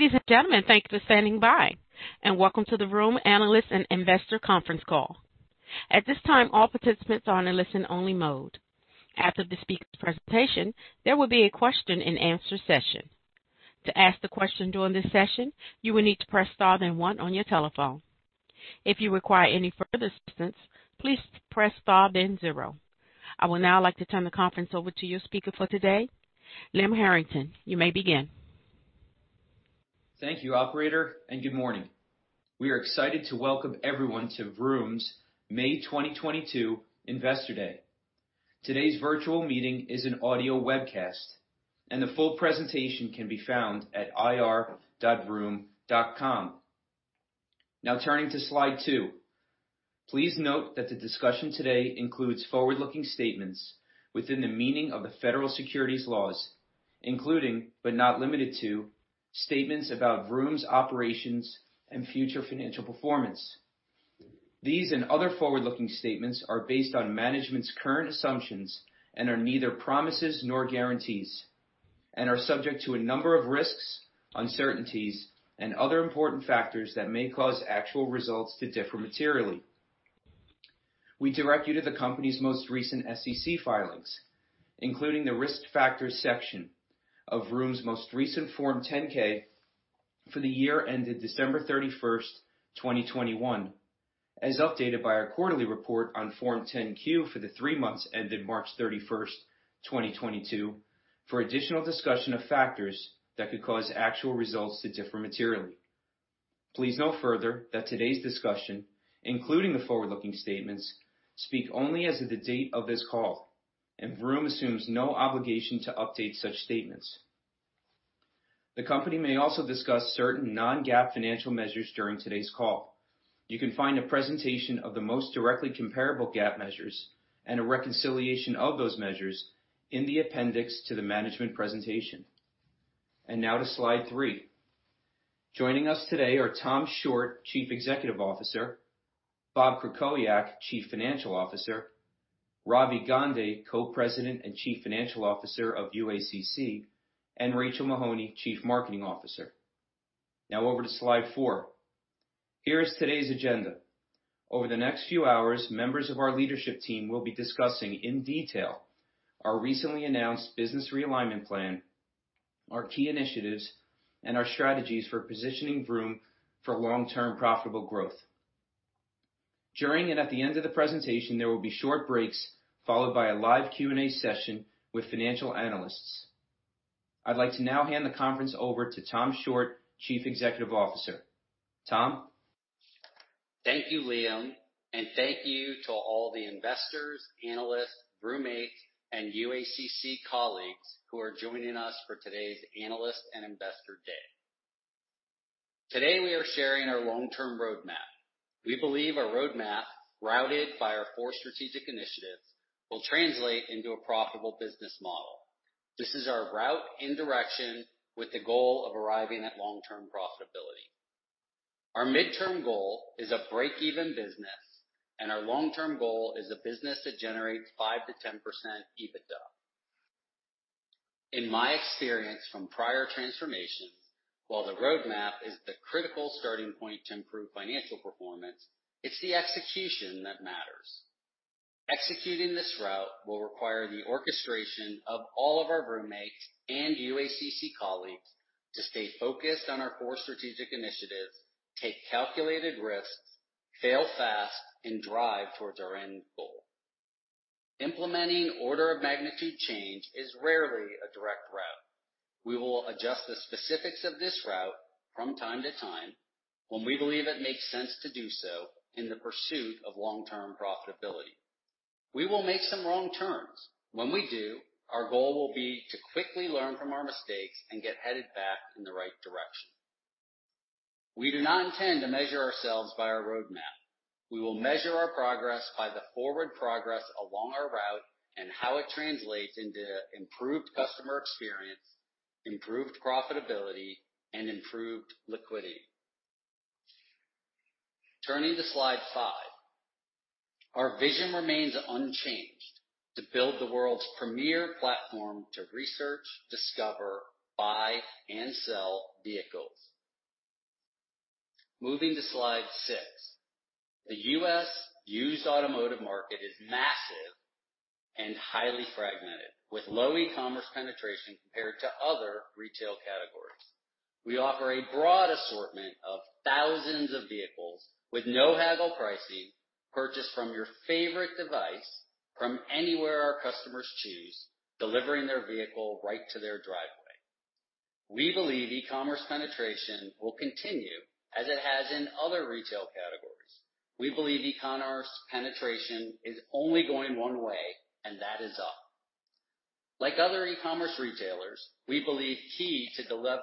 Ladies and gentlemen, thank you for standing by, and welcome to the Vroom Analyst and Investor Conference Call. At this time, all participants are in listen only mode. After the speaker's presentation, there will be a question and answer session. To ask the question during this session, you will need to press star then one on your telephone. If you require any further assistance, please press star then zero. I would now like to turn the conference over to your speaker for today, Liam Forret. You may begin. Thank you, operator, and good morning. We are excited to welcome everyone to Vroom's May 2022 Investor Day. Today's virtual meeting is an audio webcast, and the full presentation can be found at ir.vroom.com. Now turning to slide two. Please note that the discussion today includes forward-looking statements within the meaning of the federal securities laws, including, but not limited to, statements about Vroom's operations and future financial performance. These and other forward-looking statements are based on management's current assumptions and are neither promises nor guarantees, and are subject to a number of risks, uncertainties, and other important factors that may cause actual results to differ materially. We direct you to the company's most recent SEC filings, including the Risk Factors section of Vroom's most recent Form 10-K for the year ended December 31, 2021, as updated by our quarterly report on Form 10-Q for the three months ended March 31, 2022 for additional discussion of factors that could cause actual results to differ materially. Please note further that today's discussion, including the forward-looking statements, speak only as of the date of this call, and Vroom assumes no obligation to update such statements. The company may also discuss certain non-GAAP financial measures during today's call. You can find a presentation of the most directly comparable GAAP measures and a reconciliation of those measures in the appendix to the management presentation. Now to slide three. Joining us today are Thomas Shortt, Chief Executive Officer, Bob Krakowiak, Chief Financial Officer, Ravi Gandhi, Co-President and Chief Financial Officer of UACC, and Rachel Mahoney, Chief Marketing Officer. Now over to slide four. Here is today's agenda. Over the next few hours, members of our leadership team will be discussing in detail our recently announced business realignment plan, our key initiatives, and our strategies for positioning Vroom for long-term profitable growth. During and at the end of the presentation, there will be short breaks, followed by a live Q&A session with financial analysts. I'd like to now hand the conference over to Thomas Shortt, Chief Executive Officer. Tom. Thank you, Liam, and thank you to all the investors, analysts, Vroommates, and UACC colleagues who are joining us for today's Analyst and Investor Day. Today, we are sharing our long-term roadmap. We believe our roadmap, rooted by our four strategic initiatives, will translate into a profitable business model. This is our route and direction with the goal of arriving at long-term profitability. Our mid-term goal is a break-even business, and our long-term goal is a business that generates 5%-10% EBITDA per unit. In my experience from prior transformations, while the roadmap is the critical starting point to improve financial performance, it's the execution that matters. Executing this route will require the orchestration of all of our Vroommates and UACC colleagues to stay focused on our core strategic initiatives, take calculated risks, fail fast, and drive towards our end goal. Implementing order of magnitude change is rarely a direct route. We will adjust the specifics of this route from time to time when we believe it makes sense to do so in the pursuit of long-term profitability. We will make some wrong turns. When we do, our goal will be to quickly learn from our mistakes and get headed back in the right direction. We do not intend to measure ourselves by our roadmap. We will measure our progress by the forward progress along our route and how it translates into improved customer experience, improved profitability, and improved liquidity. Turning to slide five. Our vision remains unchanged to build the world's premier platform to research, discover, buy, and sell vehicles. Moving to slide six. The U.S. used automotive market is massive and highly fragmented, with low e-commerce penetration compared to other retail categories. We offer a broad assortment of thousands of vehicles with no haggle pricing purchased from your favorite device from anywhere our customers choose, delivering their vehicle right to their driveway. We believe e-commerce penetration will continue as it has in other retail categories. We believe e-commerce penetration is only going one way, and that is up. Like other e-commerce retailers, we believe the key to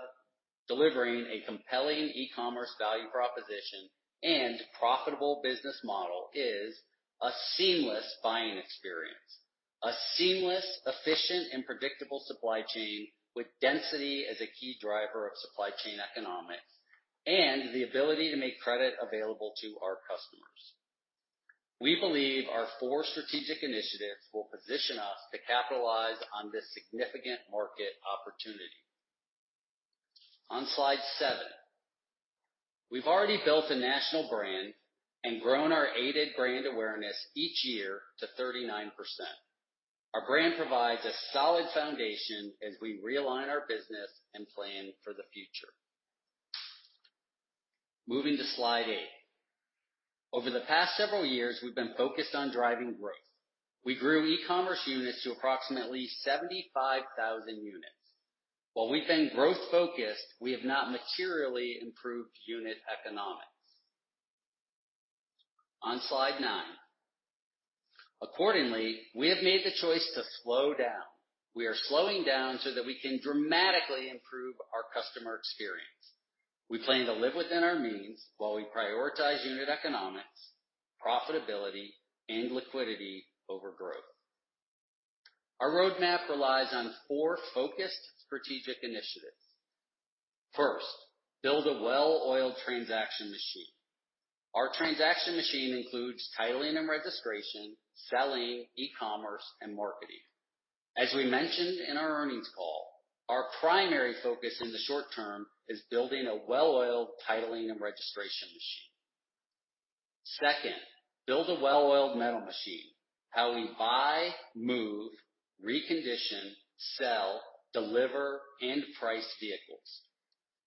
delivering a compelling e-commerce value proposition and profitable business model is a seamless buying experience, a seamless, efficient, and predictable supply chain with density as a key driver of supply chain economics, and the ability to make credit available to our customers. We believe our four strategic initiatives will position us to capitalize on this significant market opportunity. On slide seven. We've already built a national brand and grown our aided brand awareness each year to 39%. Our brand provides a solid foundation as we realign our business and plan for the future. Moving to slide eight. Over the past several years, we've been focused on driving growth. We grew e-commerce units to approximately 75,000 units. While we've been growth-focused, we have not materially improved unit economics. On slide nine. Accordingly, we have made the choice to slow down. We are slowing down so that we can dramatically improve our customer experience. We plan to live within our means while we prioritize unit economics, profitability, and liquidity over growth. Our roadmap relies on four focused strategic initiatives. First, build a well-oiled transaction machine. Our transaction machine includes titling and registration, selling, e-commerce, and marketing. As we mentioned in our earnings call, our primary focus in the short term is building a well-oiled titling and registration machine. Second, build a well-oiled metal machine. How we buy, move, recondition, sell, deliver, and price vehicles.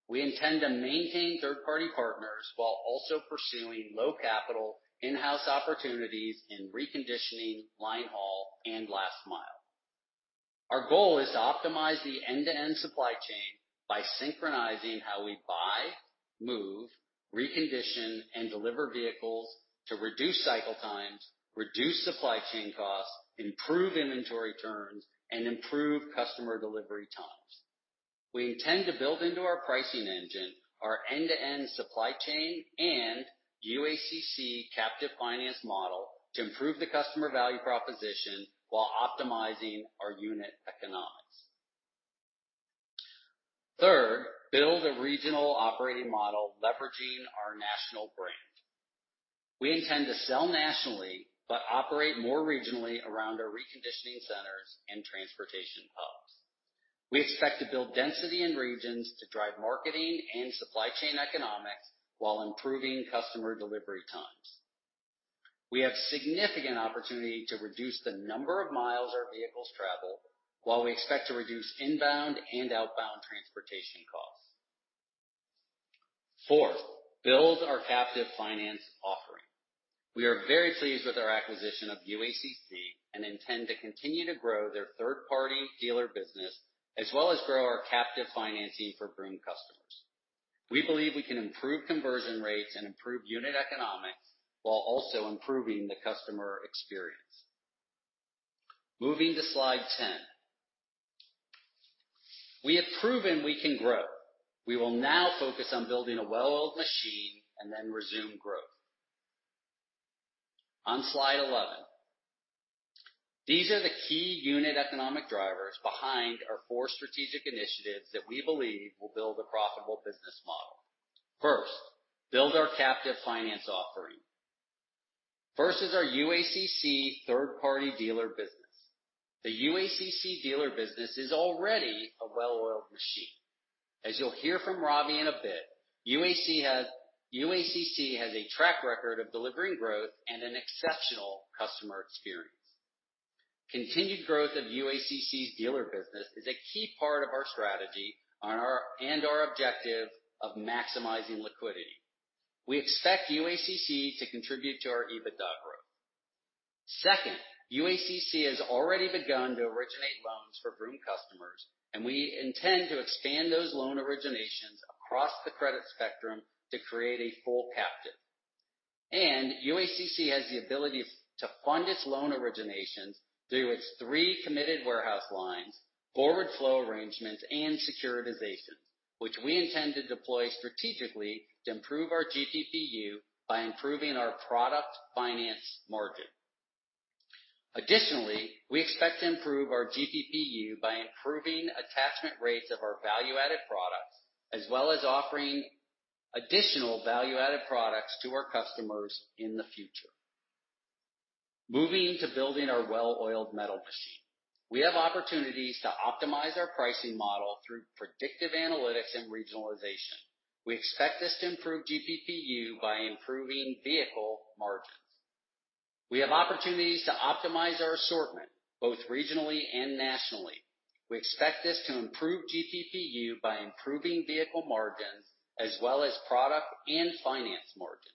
We intend to maintain third-party partners while also pursuing low capital in-house opportunities in reconditioning, linehaul, and last mile. Our goal is to optimize the end-to-end supply chain by synchronizing how we buy, move, recondition, and deliver vehicles to reduce cycle times, reduce supply chain costs, improve inventory turns, and improve customer delivery times. We intend to build into our pricing engine, our end-to-end supply chain, and UACC captive finance model to improve the customer value proposition while optimizing our unit economics. Third, build a regional operating model leveraging our national brand. We intend to sell nationally, but operate more regionally around our reconditioning centers and transportation hubs. We expect to build density in regions to drive marketing and supply chain economics while improving customer delivery times. We have significant opportunity to reduce the number of miles our vehicles travel while we expect to reduce inbound and outbound transportation costs. Fourth, build our captive finance offering. We are very pleased with our acquisition of UACC and intend to continue to grow their third-party dealer business, as well as grow our captive financing for Vroom customers. We believe we can improve conversion rates and improve unit economics while also improving the customer experience. Moving to slide 10. We have proven we can grow. We will now focus on building a well-oiled machine and then resume growth. On slide 11. These are the key unit economic drivers behind our four strategic initiatives that we believe will build a profitable business model. First, build our captive finance offering. First is our UACC third-party dealer business. The UACC dealer business is already a well-oiled machine. As you'll hear from Ravi in a bit, UACC has a track record of delivering growth and an exceptional customer experience. Continued growth of UACC's dealer business is a key part of our strategy and our objective of maximizing liquidity. We expect UACC to contribute to our EBITDA growth. Second, UACC has already begun to originate loans for Vroom customers, and we intend to expand those loan originations across the credit spectrum to create a full captive. UACC has the ability to fund its loan originations through its three committed warehouse lines, forward flow arrangements, and securitizations, which we intend to deploy strategically to improve our GPPU by improving our product finance margin. Additionally, we expect to improve our GPPU by improving attachment rates of our value-added products, as well as offering additional value-added products to our customers in the future. Moving into building our well-oiled metal machine. We have opportunities to optimize our pricing model through predictive analytics and regionalization. We expect this to improve GPPU by improving vehicle margins. We have opportunities to optimize our assortment, both regionally and nationally. We expect this to improve GPPU by improving vehicle margins, as well as product and finance margins.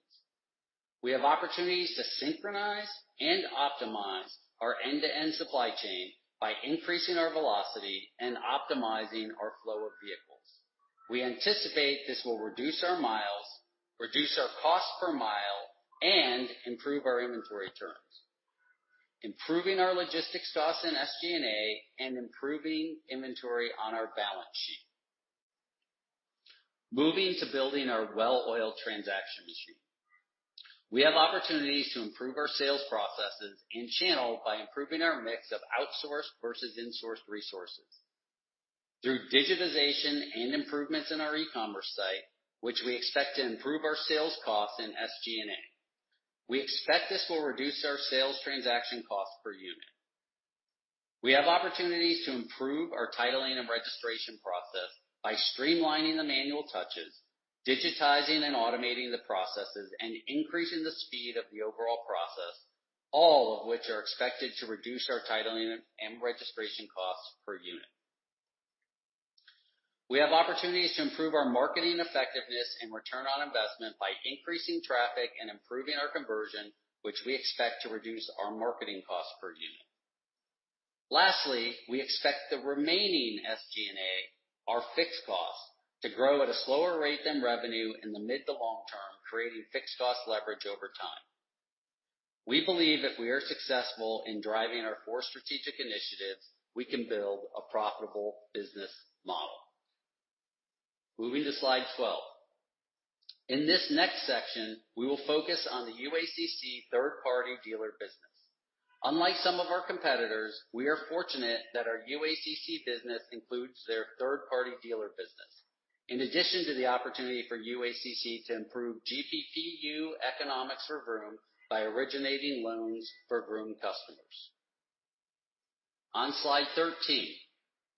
We have opportunities to synchronize and optimize our end-to-end supply chain by increasing our velocity and optimizing our flow of vehicles. We anticipate this will reduce our miles, reduce our cost per mile, and improve our inventory turns, improving our logistics costs and SG&A, and improving inventory on our balance sheet. Moving to building our well-oiled transaction machine. We have opportunities to improve our sales processes and channel by improving our mix of outsourced versus insourced resources. Through digitization and improvements in our e-commerce site, which we expect to improve our sales costs in SG&A. We expect this will reduce our sales transaction costs per unit. We have opportunities to improve our titling and registration process by streamlining the manual touches, digitizing and automating the processes, and increasing the speed of the overall process, all of which are expected to reduce our titling and registration costs per unit. We have opportunities to improve our marketing effectiveness and return on investment by increasing traffic and improving our conversion, which we expect to reduce our marketing costs per unit. Lastly, we expect the remaining SG&A, our fixed costs, to grow at a slower rate than revenue in the mid to long term, creating fixed cost leverage over time. We believe if we are successful in driving our four strategic initiatives, we can build a profitable business model. Moving to slide 12. In this next section, we will focus on the UACC third-party dealer business. Unlike some of our competitors, we are fortunate that our UACC business includes their third-party dealer business. In addition to the opportunity for UACC to improve GPPU economics for Vroom by originating loans for Vroom customers. On slide 13,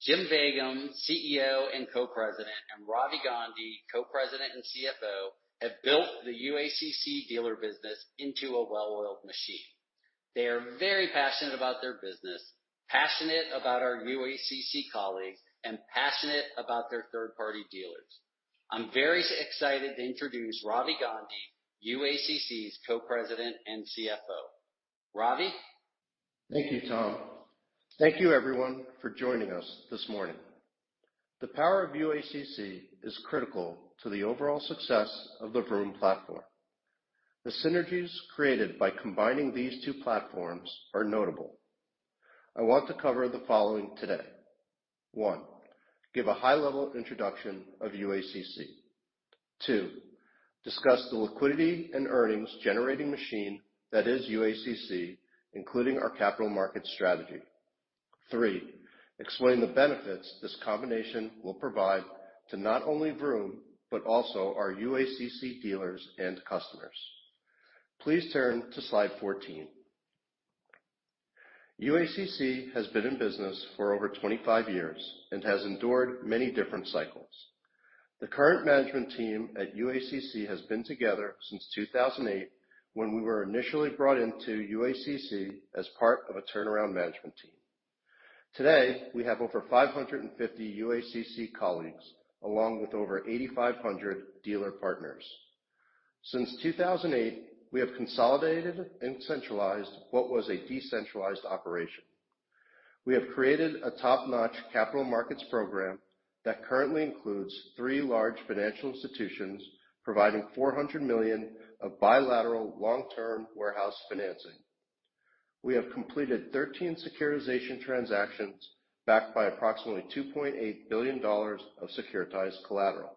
Jim Vagim, CEO and Co-President, and Ravi Gandhi, Co-President and CFO, have built the UACC dealer business into a well-oiled machine. They are very passionate about their business, passionate about our UACC colleagues, and passionate about their third-party dealers. I'm very excited to introduce Ravi Gandhi, UACC's Co-President and CFO. Ravi? Thank you, Tom. Thank you everyone for joining us this morning. The power of UACC is critical to the overall success of the Vroom platform. The synergies created by combining these two platforms are notable. I want to cover the following today. One, give a high-level introduction of UACC. Two, discuss the liquidity and earnings-generating machine that is UACC, including our capital market strategy. Three, explain the benefits this combination will provide to not only Vroom, but also our UACC dealers and customers. Please turn to slide 14. UACC has been in business for over 25 years and has endured many different cycles. The current management team at UACC has been together since 2008, when we were initially brought into UACC as part of a turnaround management team. Today, we have over 550 UACC colleagues, along with over 8,500 dealer partners. Since 2008, we have consolidated and centralized what was a decentralized operation. We have created a top-notch capital markets program that currently includes three large financial institutions, providing 400 million of bilateral long-term warehouse financing. We have completed 13 securitization transactions backed by approximately $2.8 billion of securitized collateral,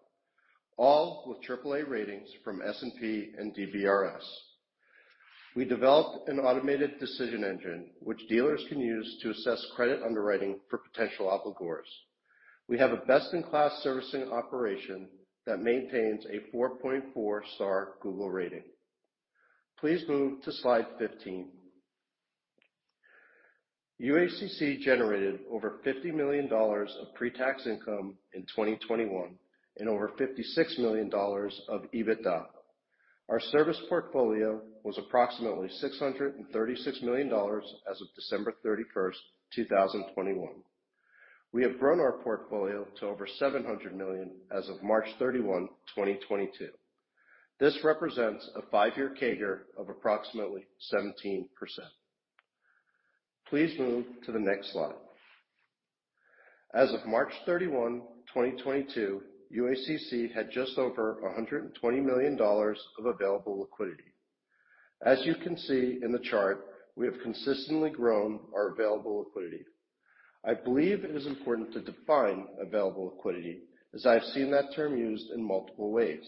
all with AAA ratings from S&P and DBRS. We developed an automated decision engine which dealers can use to assess credit underwriting for potential obligors. We have a best-in-class servicing operation that maintains a 4.4-star Google rating. Please move to slide 15. UACC generated over $50 million of pre-tax income in 2021 and over $56 million of EBITDA. Our servicing portfolio was approximately $636 million as of December 31, 2021. We have grown our portfolio to over 700 million as of March 31, 2022. This represents a five-year CAGR of approximately 17%. Please move to the next slide. As of March 31, 2022, UACC had just over 120 million of available liquidity. As you can see in the chart, we have consistently grown our available liquidity. I believe it is important to define available liquidity, as I've seen that term used in multiple ways.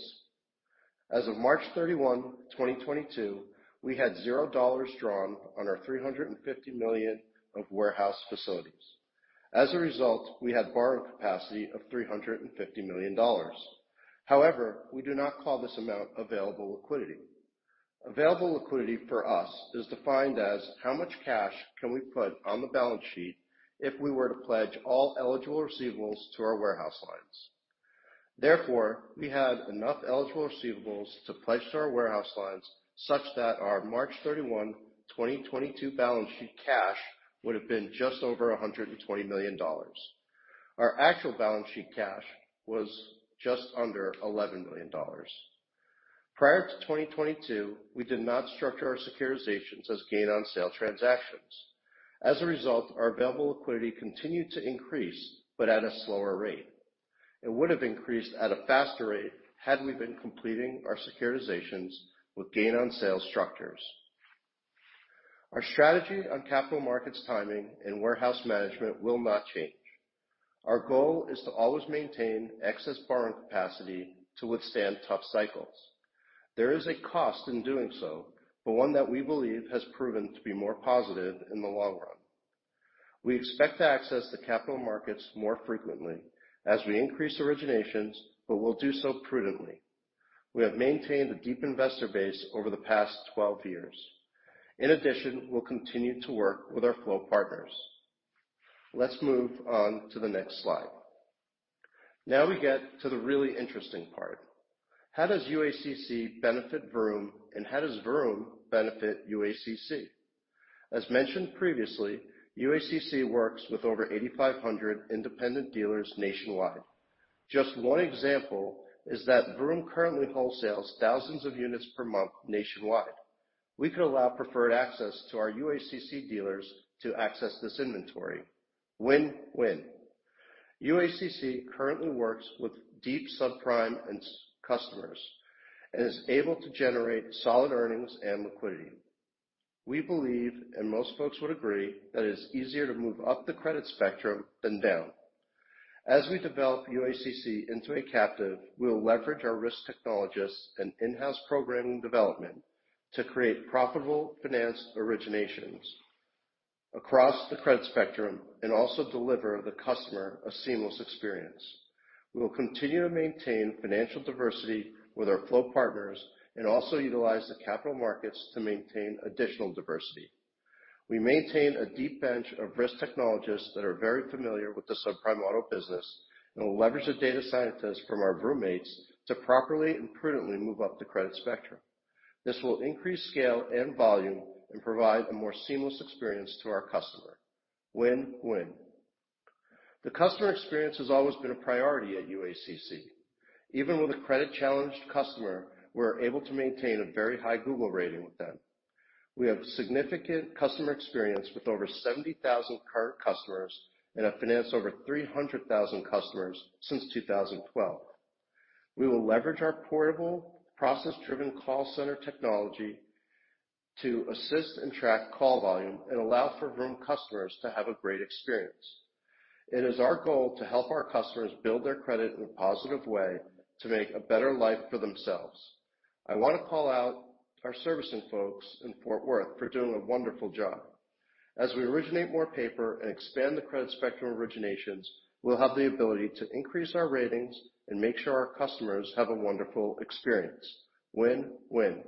As of March 31, 2022, we had zero dollars drawn on our $350 million of warehouse facilities. As a result, we had borrowing capacity of $350 million. However, we do not call this amount available liquidity. Available liquidity for us is defined as how much cash can we put on the balance sheet if we were to pledge all eligible receivables to our warehouse lines. Therefore, we had enough eligible receivables to pledge to our warehouse lines such that our March 31, 2022 balance sheet cash would have been just over $120 million. Our actual balance sheet cash was just under $11 million. Prior to 2022, we did not structure our securitizations as gain on sale transactions. As a result, our available liquidity continued to increase, but at a slower rate. It would have increased at a faster rate had we been completing our securitizations with gain on sale structures. Our strategy on capital markets timing and warehouse management will not change. Our goal is to always maintain excess borrowing capacity to withstand tough cycles. There is a cost in doing so, but one that we believe has proven to be more positive in the long run. We expect to access the capital markets more frequently as we increase originations, but we'll do so prudently. We have maintained a deep investor base over the past 12 years. In addition, we'll continue to work with our flow partners. Let's move on to the next slide. Now we get to the really interesting part. How does UACC benefit Vroom, and how does Vroom benefit UACC? As mentioned previously, UACC works with over 8,500 independent dealers nationwide. Just one example is that Vroom currently wholesales thousands of units per month nationwide. We could allow preferred access to our UACC dealers to access this inventory. Win-win. UACC currently works with deep subprime and subprime customers and is able to generate solid earnings and liquidity. We believe, and most folks would agree, that it's easier to move up the credit spectrum than down. As we develop UACC into a captive, we'll leverage our risk technologists and in-house programming development to create profitable finance originations across the credit spectrum and also deliver the customer a seamless experience. We will continue to maintain financial diversity with our flow partners and also utilize the capital markets to maintain additional diversity. We maintain a deep bench of risk technologists that are very familiar with the subprime auto business and will leverage the data scientists from our Vroommates to properly and prudently move up the credit spectrum. This will increase scale and volume and provide a more seamless experience to our customer. Win-win. The customer experience has always been a priority at UACC. Even with a credit-challenged customer, we're able to maintain a very high Google rating with them. We have significant customer experience with over 70,000 current customers and have financed over 300,000 customers since 2012. We will leverage our portable, process-driven call center technology to assist and track call volume and allow for Vroom customers to have a great experience. It is our goal to help our customers build their credit in a positive way to make a better life for themselves. I wanna call out our servicing folks in Fort Worth for doing a wonderful job. As we originate more paper and expand the credit spectrum originations, we'll have the ability to increase our ratings and make sure our customers have a wonderful experience. Win-win.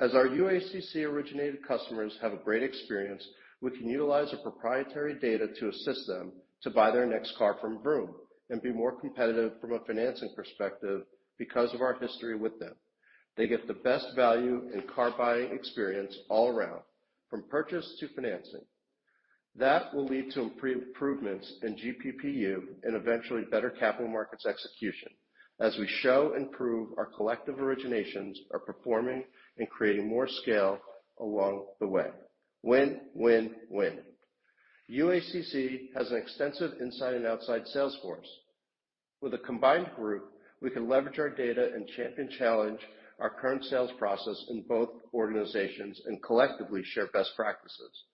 As our UACC-originated customers have a great experience, we can utilize the proprietary data to assist them to buy their next car from Vroom and be more competitive from a financing perspective because of our history with them. They get the best value and car-buying experience all around, from purchase to financing. That will lead to improvements in GPPU and eventually better capital markets execution as we show and prove our collective originations are performing and creating more scale along the way. Win-win-win. UACC has an extensive inside and outside sales force. With a combined group, we can leverage our data and champion and challenge our current sales process in both organizations and collectively share best practices.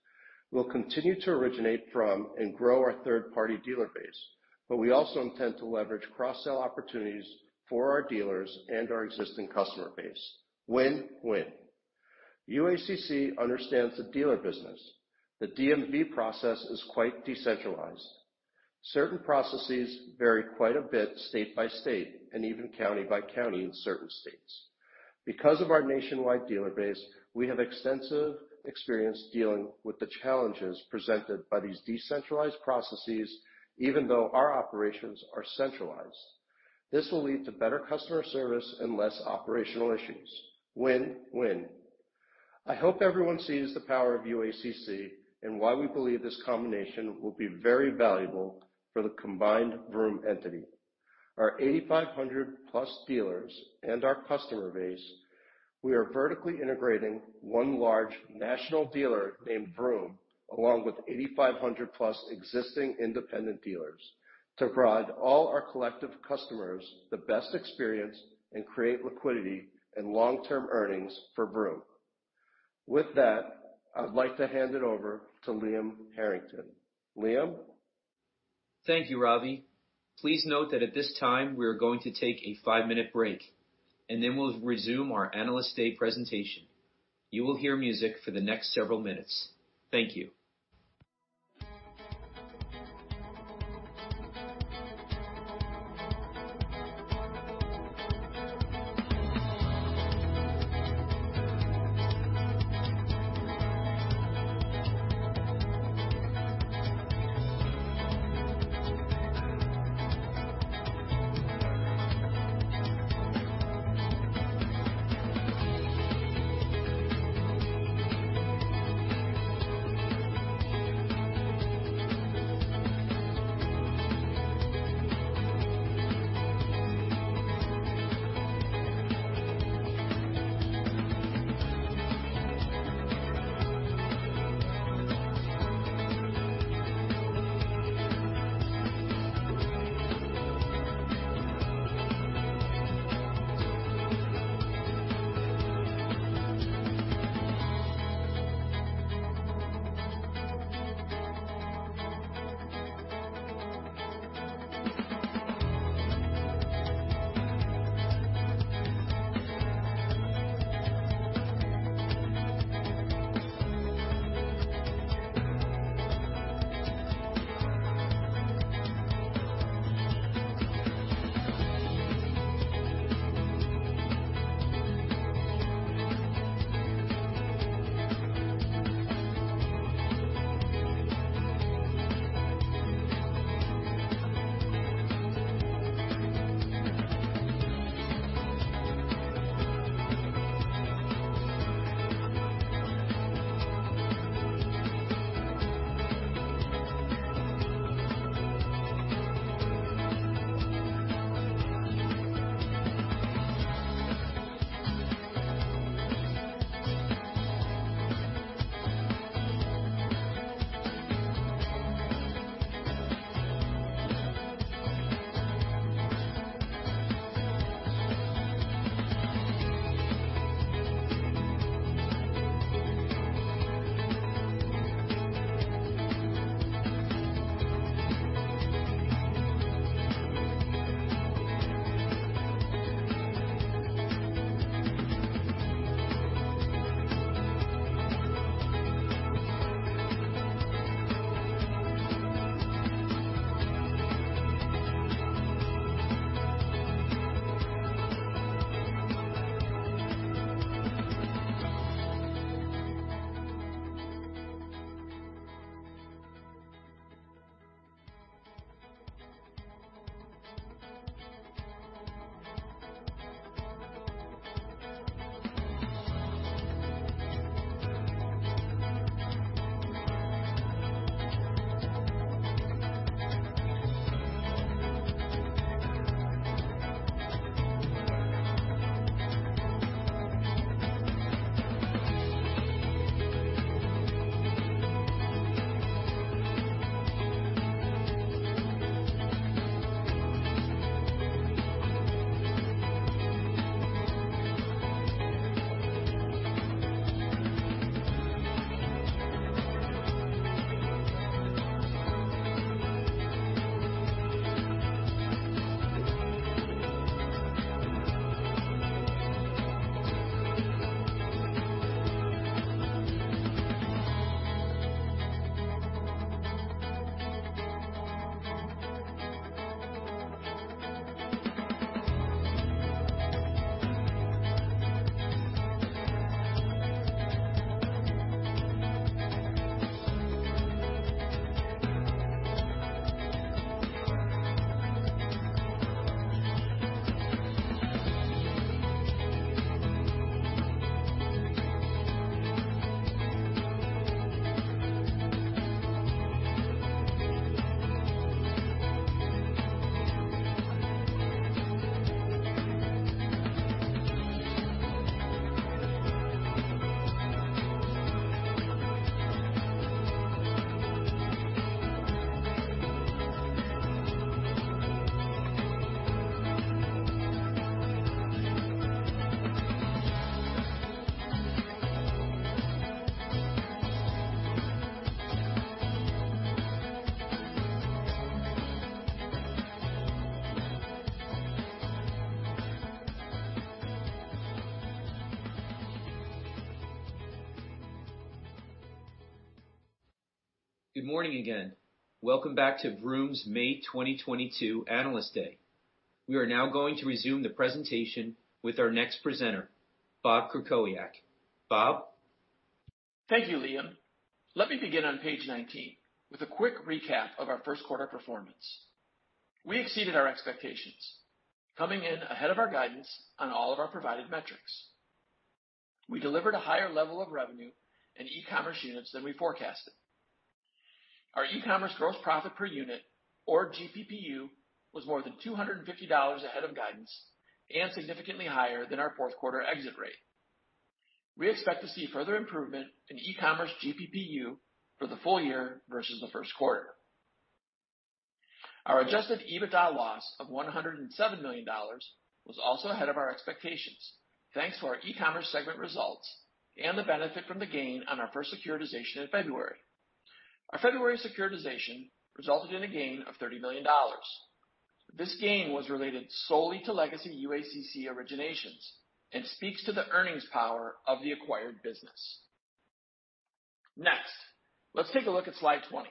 We'll continue to originate from and grow our third-party dealer base, but we also intend to leverage cross-sell opportunities for our dealers and our existing customer base. Win-win. UACC understands the dealer business. The DMV process is quite decentralized. Certain processes vary quite a bit state by state and even county by county in certain states. Because of our nationwide dealer base, we have extensive experience dealing with the challenges presented by these decentralized processes, even though our operations are centralized. This will lead to better customer service and less operational issues. Win-win. I hope everyone sees the power of UACC and why we believe this combination will be very valuable for the combined Vroom entity. Our 8,500+ dealers and our customer base, we are vertically integrating one large national dealer named Vroom, along with 8,500+ existing independent dealers to provide all our collective customers the best experience and create liquidity and long-term earnings for Vroom. With that, I'd like to hand it over to Liam Harrington. Liam? Thank you, Ravi. Please note that at this time, we are going to take a five-minute break, and then we'll resume our Analyst Day presentation. You will hear music for the next several minutes. Thank you. Good morning again. Welcome back to Vroom's May 2022 Analyst Day. We are now going to resume the presentation with our next presenter, Bob Krakowiak. Bob. Thank you, Liam. Let me begin on page 19 with a quick recap of our first quarter performance. We exceeded our expectations, coming in ahead of our guidance on all of our provided metrics. We delivered a higher level of revenue and e-commerce units than we forecasted. Our e-commerce gross profit per unit, or GPPU, was more than $250 ahead of guidance and significantly higher than our fourth quarter exit rate. We expect to see further improvement in e-commerce GPPU for the full year versus the first quarter. Our adjusted EBITDA loss of $107 million was also ahead of our expectations, thanks to our e-commerce segment results and the benefit from the gain on our first securitization in February. Our February securitization resulted in a gain of $30 million. This gain was related solely to legacy UACC originations and speaks to the earnings power of the acquired business. Next, let's take a look at slide 20.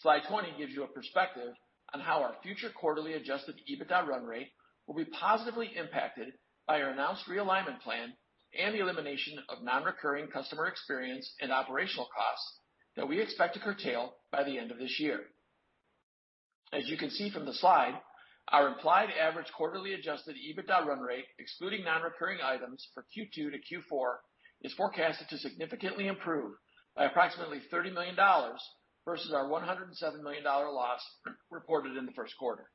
Slide 20 gives you a perspective on how our future quarterly adjusted EBITDA run rate will be positively impacted by our announced realignment plan and the elimination of non-recurring customer experience and operational costs that we expect to curtail by the end of this year. As you can see from the slide, our implied average quarterly adjusted EBITDA run rate, excluding non-recurring items for Q2-Q4, is forecasted to significantly improve by approximately $30 million versus our $107 million loss reported in the first quarter.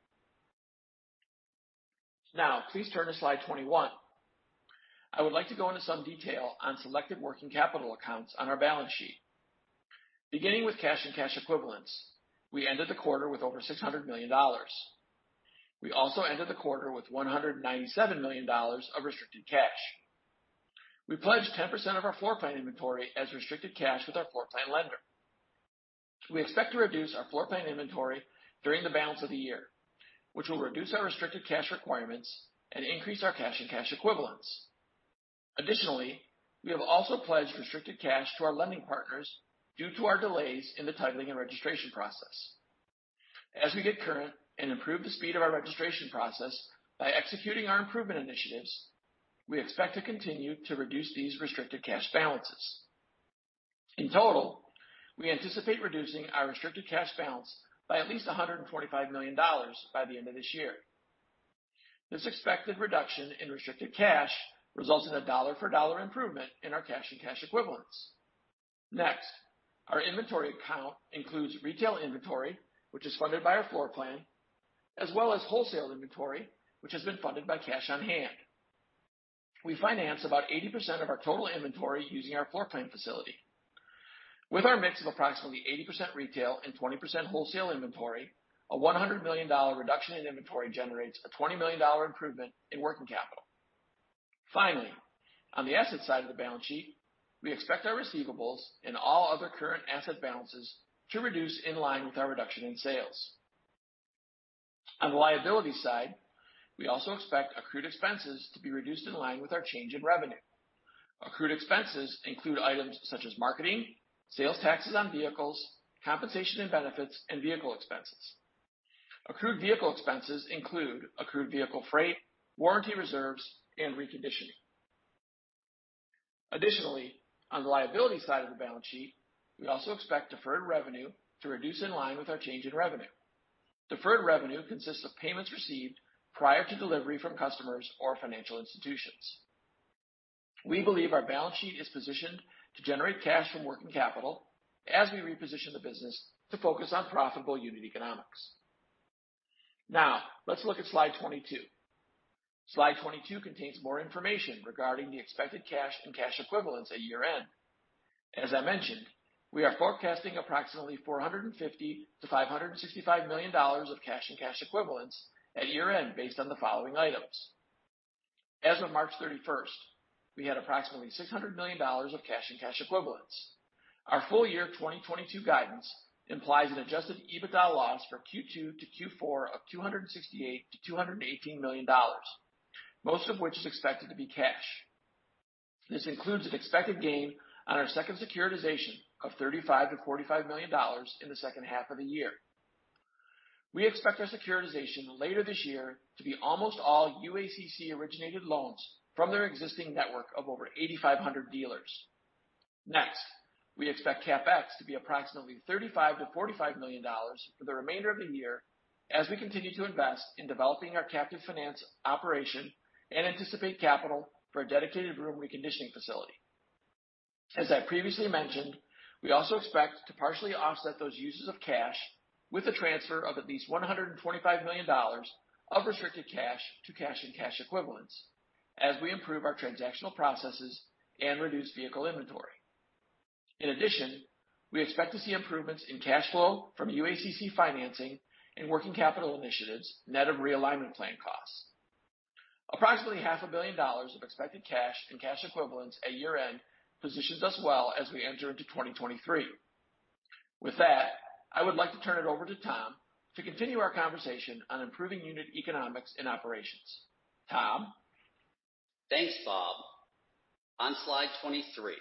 Now please turn to slide 21. I would like to go into some detail on selected working capital accounts on our balance sheet. Beginning with cash and cash equivalents, we ended the quarter with over $600 million. We also ended the quarter with $197 million of restricted cash. We pledged 10% of our floor plan inventory as restricted cash with our floor plan lender. We expect to reduce our floor plan inventory during the balance of the year, which will reduce our restricted cash requirements and increase our cash and cash equivalents. Additionally, we have also pledged restricted cash to our lending partners due to our delays in the titling and registration process. As we get current and improve the speed of our registration process by executing our improvement initiatives, we expect to continue to reduce these restricted cash balances. In total, we anticipate reducing our restricted cash balance by at least $125 million by the end of this year. This expected reduction in restricted cash results in a dollar-for-dollar improvement in our cash and cash equivalents. Next, our inventory account includes retail inventory, which is funded by our floor plan, as well as wholesale inventory, which has been funded by cash on hand. We finance about 80% of our total inventory using our floor plan facility. With our mix of approximately 80% retail and 20% wholesale inventory, a $100 million reduction in inventory generates a $20 million improvement in working capital. Finally, on the asset side of the balance sheet, we expect our receivables and all other current asset balances to reduce in line with our reduction in sales. On the liability side, we also expect accrued expenses to be reduced in line with our change in revenue. Accrued expenses include items such as marketing, sales taxes on vehicles, compensation and benefits, and vehicle expenses. Accrued vehicle expenses include accrued vehicle freight, warranty reserves, and reconditioning. Additionally, on the liability side of the balance sheet, we also expect deferred revenue to reduce in line with our change in revenue. Deferred revenue consists of payments received prior to delivery from customers or financial institutions. We believe our balance sheet is positioned to generate cash from working capital as we reposition the business to focus on profitable unit economics. Now let's look at slide 22. Slide 22 contains more information regarding the expected cash and cash equivalents at year-end. As I mentioned, we are forecasting approximately $450 million-$565 million of cash and cash equivalents at year-end based on the following items. As of March thirty-first, we had approximately $600 million of cash and cash equivalents. Our full year 2022 guidance implies an adjusted EBITDA loss for Q2 to Q4 of $268 million-$218 million, most of which is expected to be cash. This includes an expected gain on our second securitization of $35 million-$45 million in the second half of the year. We expect our securitization later this year to be almost all UACC originated loans from their existing network of over 8,500 dealers. Next, we expect CapEx to be approximately $35 million-$45 million for the remainder of the year as we continue to invest in developing our captive finance operation and anticipate capital for a dedicated Vroom reconditioning facility. As I previously mentioned, we also expect to partially offset those uses of cash with a transfer of at least $125 million of restricted cash to cash and cash equivalents as we improve our transactional processes and reduce vehicle inventory. In addition, we expect to see improvements in cash flow from UACC financing and working capital initiatives net of realignment plan costs. Approximately half a billion dollars of expected cash and cash equivalents at year-end positions us well as we enter into 2023. With that, I would like to turn it over to Tom to continue our conversation on improving unit economics and operations. Tom. Thanks, Bob. On slide 23,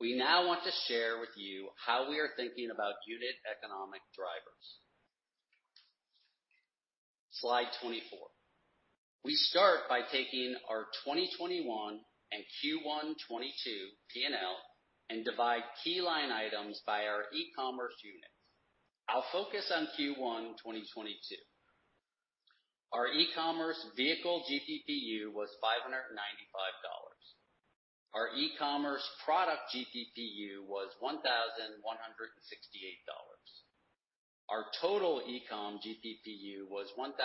we now want to share with you how we are thinking about unit economic drivers. Slide 24. We start by taking our 2021 and Q1 2022 P&L and divide key line items by our e-commerce units. I'll focus on Q1 2022. Our e-commerce vehicle GPPU was $595. Our e-commerce product GPPU was $1,168. Our total e-com GPPU was $1,763.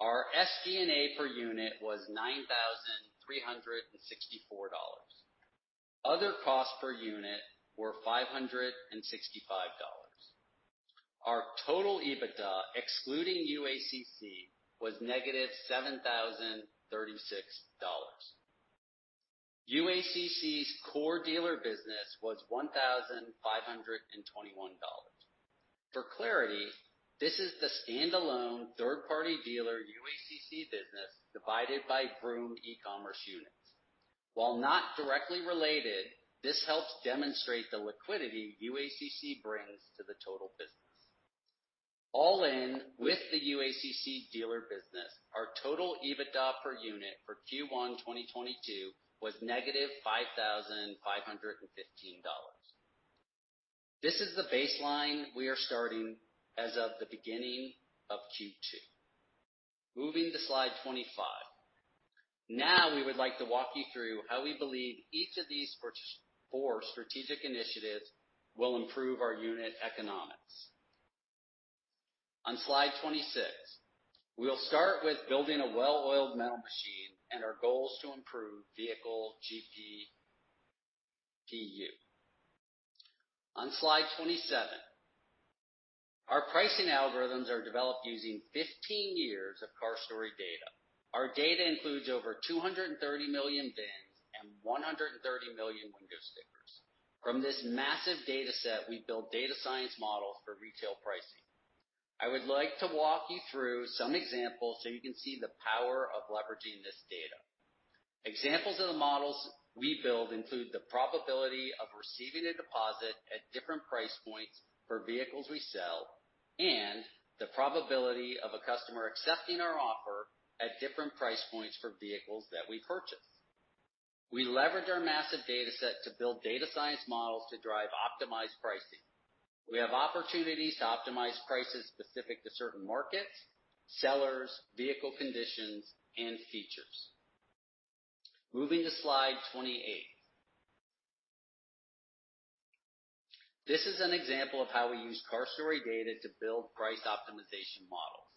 Our SG&A per unit was $9,364. Other costs per unit were $565. Our total EBITDA, excluding UACC, was -$7,036. UACC's core dealer business was $1,521. For clarity, this is the standalone third-party dealer UACC business divided by Vroom e-commerce units. While not directly related, this helps demonstrate the liquidity UACC brings to the total business. All in with the UACC dealer business, our total EBITDA per unit for Q1 2022 was -$5,515. This is the baseline we are starting as of the beginning of Q2. Moving to slide 25. Now, we would like to walk you through how we believe each of these four strategic initiatives will improve our unit economics. On slide 26, we'll start with building a well-oiled metal machine and our goals to improve vehicle GPPU. On slide 27, our pricing algorithms are developed using 15 years of CarStory data. Our data includes over 230 million VINs and 130 million window stickers. From this massive data set, we build data science models for retail pricing. I would like to walk you through some examples so you can see the power of leveraging this data. Examples of the models we build include the probability of receiving a deposit at different price points for vehicles we sell, and the probability of a customer accepting our offer at different price points for vehicles that we purchase. We leverage our massive data set to build data science models to drive optimized pricing. We have opportunities to optimize prices specific to certain markets, sellers, vehicle conditions, and features. Moving to slide 28. This is an example of how we use CarStory data to build price optimization models.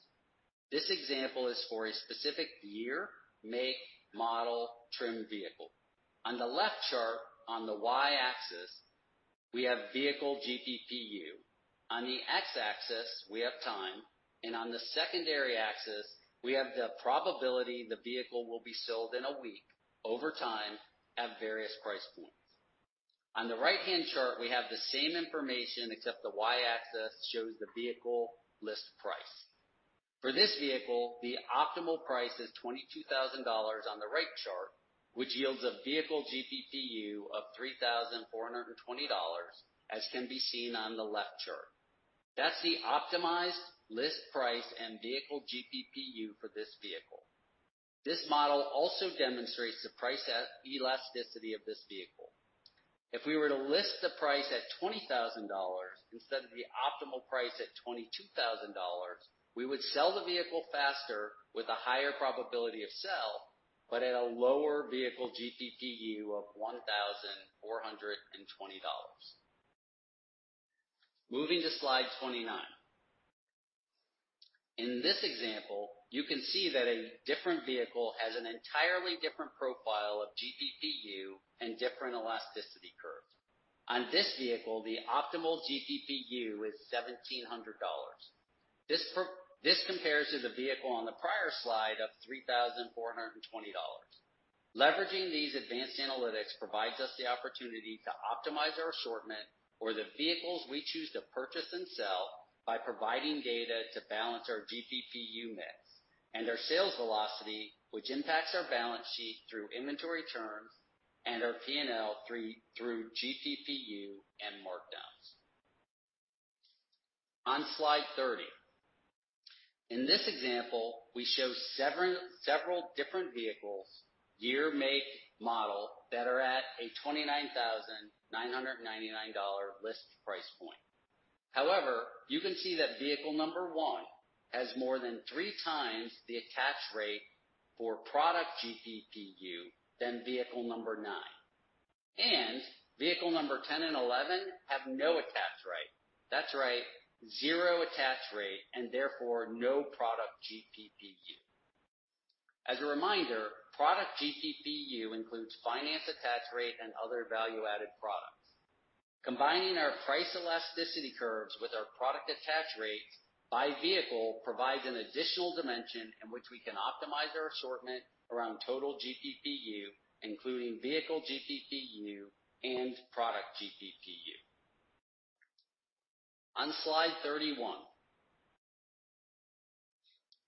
This example is for a specific year, make, model, trim vehicle. On the left chart, on the Y-axis, we have vehicle GPPU. On the X-axis, we have time. On the secondary axis, we have the probability the vehicle will be sold in a week over time at various price points. On the right-hand chart, we have the same information, except the Y-axis shows the vehicle list price. For this vehicle, the optimal price is $22,000 on the right chart, which yields a vehicle GPPU of $3,420, as can be seen on the left chart. That's the optimized list price and vehicle GPPU for this vehicle. This model also demonstrates the price elasticity of this vehicle. If we were to list the price at $20,000 instead of the optimal price at $22,000, we would sell the vehicle faster with a higher probability of sell, but at a lower vehicle GPPU of $1,420. Moving to slide 29. In this example, you can see that a different vehicle has an entirely different profile of GPPU and different elasticity curves. On this vehicle, the optimal GPPU is $1,700. This compares to the vehicle on the prior slide of $3,420. Leveraging these advanced analytics provides us the opportunity to optimize our assortment or the vehicles we choose to purchase and sell by providing data to balance our GPPU mix and our sales velocity, which impacts our balance sheet through inventory terms and our P&L through GPPU and markdowns. On slide 30. In this example, we show several different vehicles, year, make, model, that are at a $29,999 list price point. However, you can see that vehicle number one has more than three times the attach rate for product GPPU than vehicle number nine. Vehicle number 10 and 11 have no attach rate. That's right, zero attach rate and therefore no product GPPU. As a reminder, product GPPU includes finance attach rate and other value-added products. Combining our price elasticity curves with our product attach rates by vehicle provides an additional dimension in which we can optimize our assortment around total GPPU, including vehicle GPPU and product GPPU. On slide 31.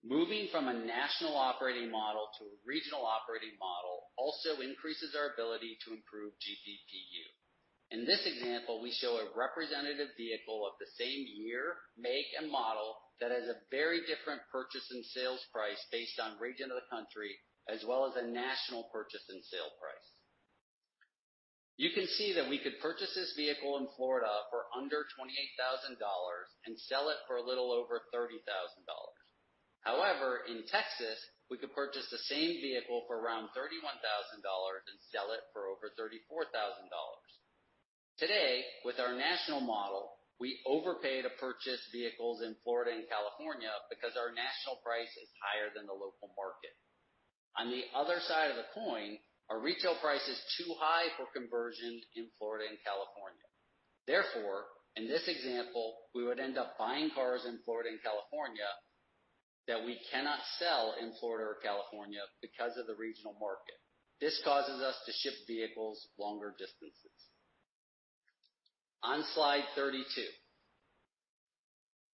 Moving from a national operating model to a regional operating model also increases our ability to improve GPPU. In this example, we show a representative vehicle of the same year, make, and model that has a very different purchase and sales price based on region of the country, as well as a national purchase and sale price. You can see that we could purchase this vehicle in Florida for under $28,000 and sell it for a little over $30,000. However, in Texas, we could purchase the same vehicle for around $31,000 and sell it for over $34,000. Today, with our national model, we overpay to purchase vehicles in Florida and California because our national price is higher than the local market. On the other side of the coin, our retail price is too high for conversion in Florida and California. Therefore, in this example, we would end up buying cars in Florida and California that we cannot sell in Florida or California because of the regional market. This causes us to ship vehicles longer distances. On slide 32,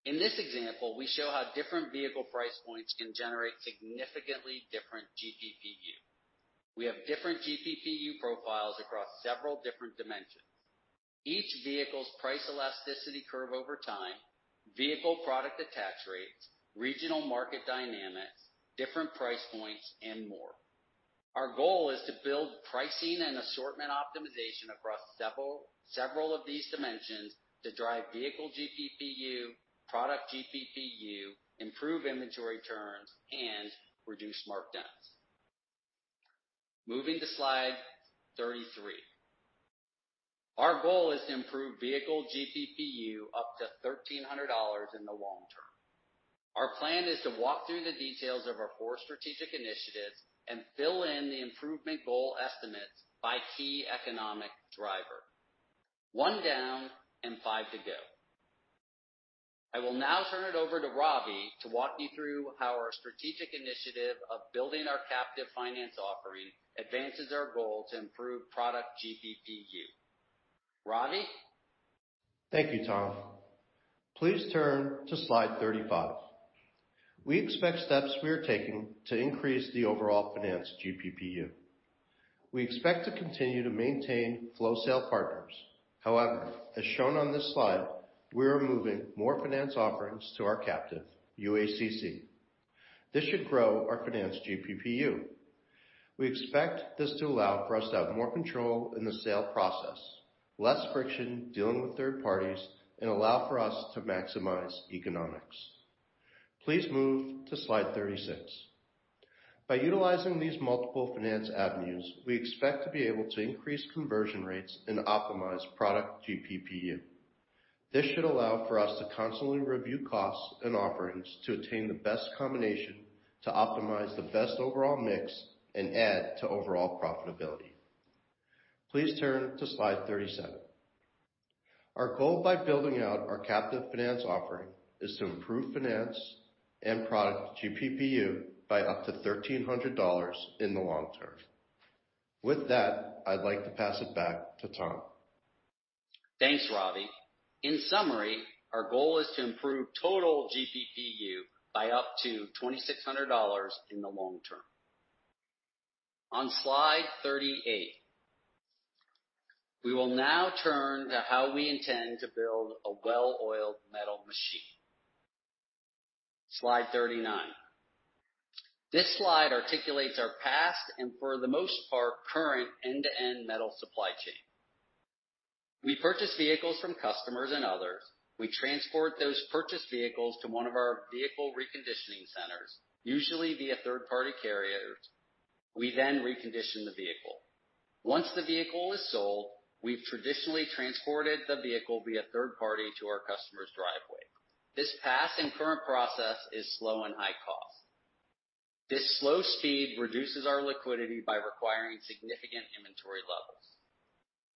in this example, we show how different vehicle price points can generate significantly different GPPU. We have different GPPU profiles across several different dimensions. Each vehicle's price elasticity curve over time, vehicle product attach rates, regional market dynamics, different price points, and more. Our goal is to build pricing and assortment optimization across several of these dimensions to drive vehicle GPPU, product GPPU, improve inventory turns, and reduce markdowns. Moving to slide 33. Our goal is to improve vehicle GPPU up to $1,300 in the long term. Our plan is to walk through the details of our four strategic initiatives and fill in the improvement goal estimates by key economic driver. One down and five to go. I will now turn it over to Ravi to walk you through how our strategic initiative of building our captive finance offering advances our goal to improve product GPPU. Ravi? Thank you, Tom. Please turn to slide 35. We expect steps we are taking to increase the overall finance GPPU. We expect to continue to maintain flow sale partners. However, as shown on this slide, we are moving more finance offerings to our captive, UACC. This should grow our finance GPPU. We expect this to allow for us to have more control in the sale process, less friction dealing with third parties, and allow for us to maximize economics. Please move to slide 36. By utilizing these multiple finance avenues, we expect to be able to increase conversion rates and optimize product GPPU. This should allow for us to constantly review costs and offerings to attain the best combination to optimize the best overall mix and add to overall profitability. Please turn to slide 37. Our goal by building out our captive finance offering is to improve finance and product GPPU by up to $1,300 in the long term. With that, I'd like to pass it back to Tom. Thanks, Ravi. In summary, our goal is to improve total GPPU by up to $2,600 in the long term. On slide 38, we will now turn to how we intend to build a well-oiled metal machine. Slide 39. This slide articulates our past and for the most part, current end-to-end metal supply chain. We purchase vehicles from customers and others. We transport those purchased vehicles to one of our vehicle reconditioning centers, usually via third-party carriers. We then recondition the vehicle. Once the vehicle is sold, we've traditionally transported the vehicle via third-party to our customer's driveway. This past and current process is slow and high cost. This slow speed reduces our liquidity by requiring significant inventory levels.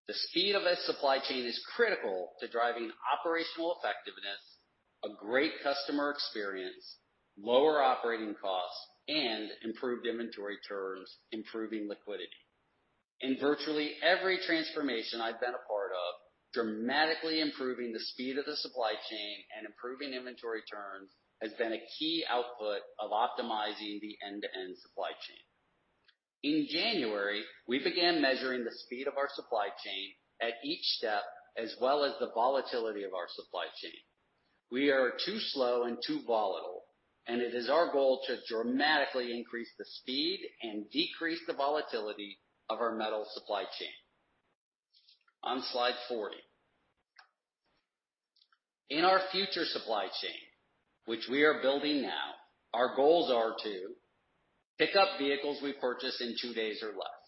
The speed of a supply chain is critical to driving operational effectiveness, a great customer experience, lower operating costs, and improved inventory terms, improving liquidity. In virtually every transformation I've been a part of, dramatically improving the speed of the supply chain and improving inventory turns has been a key output of optimizing the end-to-end supply chain. In January, we began measuring the speed of our supply chain at each step, as well as the volatility of our supply chain. We are too slow and too volatile, and it is our goal to dramatically increase the speed and decrease the volatility of our metal supply chain. On slide 40. In our future supply chain, which we are building now, our goals are to pick up vehicles we purchase in two days or less,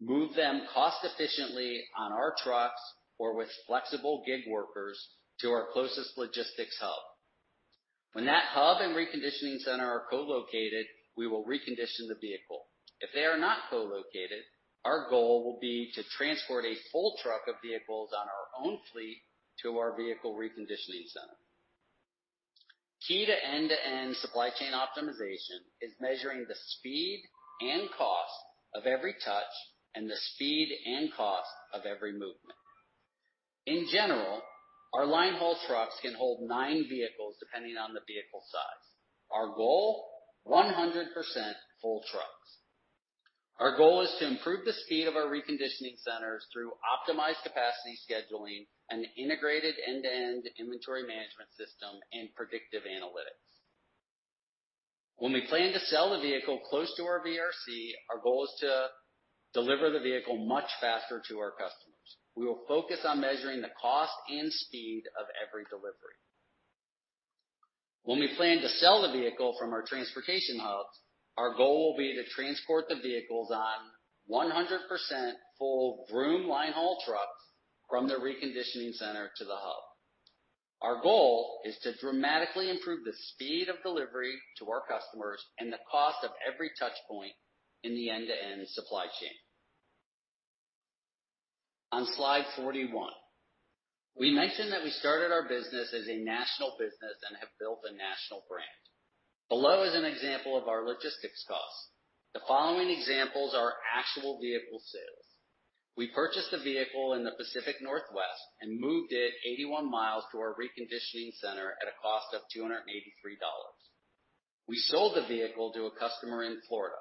move them cost efficiently on our trucks or with flexible gig workers to our closest logistics hub. When that hub and reconditioning center are co-located, we will recondition the vehicle. If they are not co-located, our goal will be to transport a full truck of vehicles on our own fleet to our vehicle reconditioning center. Key to end-to-end supply chain optimization is measuring the speed and cost of every touch and the speed and cost of every movement. In general, our line haul trucks can hold nine vehicles, depending on the vehicle size. Our goal. 100% full trucks. Our goal is to improve the speed of our reconditioning centers through optimized capacity scheduling, an integrated end-to-end inventory management system, and predictive analytics. When we plan to sell the vehicle close to our VRC, our goal is to deliver the vehicle much faster to our customers. We will focus on measuring the cost and speed of every delivery. When we plan to sell the vehicle from our transportation hubs, our goal will be to transport the vehicles on 100% full Vroom linehaul trucks from the reconditioning center to the hub. Our goal is to dramatically improve the speed of delivery to our customers and the cost of every touch point in the end-to-end supply chain. On slide 41, we mentioned that we started our business as a national business and have built a national brand. Below is an example of our logistics costs. The following examples are actual vehicle sales. We purchased a vehicle in the Pacific Northwest and moved it 81 miles to our reconditioning center at a cost of $283. We sold the vehicle to a customer in Florida.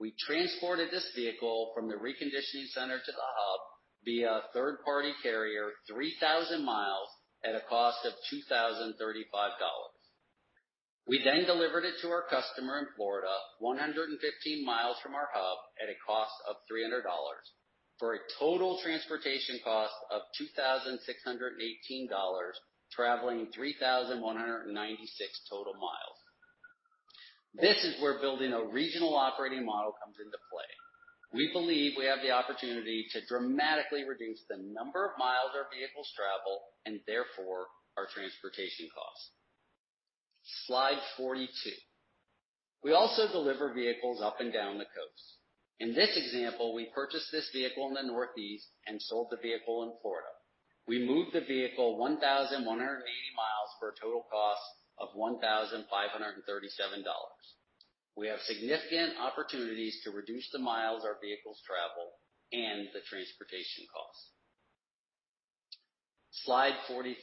We transported this vehicle from the reconditioning center to the hub via a third-party carrier, 3,000 miles at a cost of $2,035. We then delivered it to our customer in Florida, 115 miles from our hub at a cost of $300, for a total transportation cost of $2,618, traveling 3,196 total miles. This is where building a regional operating model comes into play. We believe we have the opportunity to dramatically reduce the number of miles our vehicles travel, and therefore our transportation costs. Slide 42. We also deliver vehicles up and down the coast. In this example, we purchased this vehicle in the Northeast and sold the vehicle in Florida. We moved the vehicle 1,180 miles for a total cost of $1,537. We have significant opportunities to reduce the miles our vehicles travel and the transportation costs. Slide 43.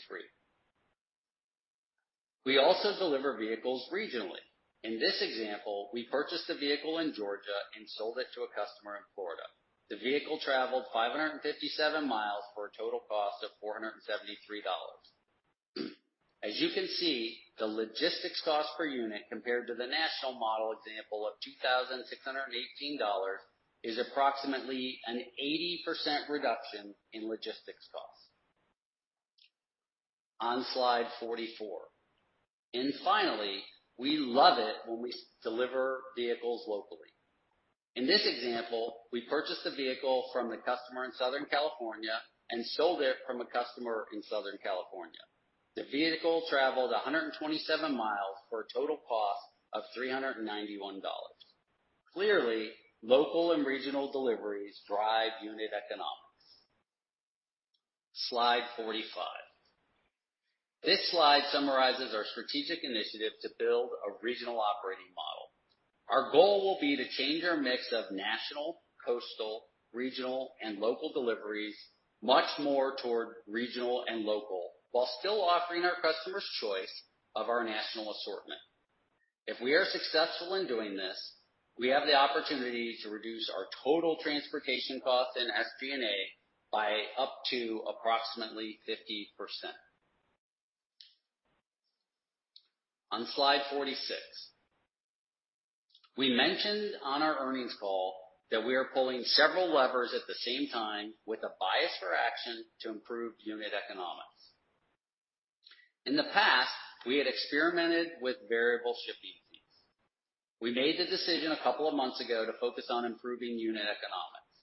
We also deliver vehicles regionally. In this example, we purchased a vehicle in Georgia and sold it to a customer in Florida. The vehicle traveled 557 miles for a total cost of $473. As you can see, the logistics cost per unit compared to the national model example of $2,618 is approximately an 80% reduction in logistics costs. On slide 44. Finally, we love it when we self-deliver vehicles locally. In this example, we purchased the vehicle from the customer in Southern California and sold it to a customer in Southern California. The vehicle traveled 127 miles for a total cost of $391. Clearly, local and regional deliveries drive unit economics. Slide 45. This slide summarizes our strategic initiative to build a regional operating model. Our goal will be to change our mix of national, coastal, regional, and local deliveries much more toward regional and local, while still offering our customers choice of our national assortment. If we are successful in doing this, we have the opportunity to reduce our total transportation costs in SG&A by up to approximately 50%. On Slide 46. We mentioned on our earnings call that we are pulling several levers at the same time with a bias for action to improve unit economics. In the past, we had experimented with variable shipping fees. We made the decision a couple of months ago to focus on improving unit economics.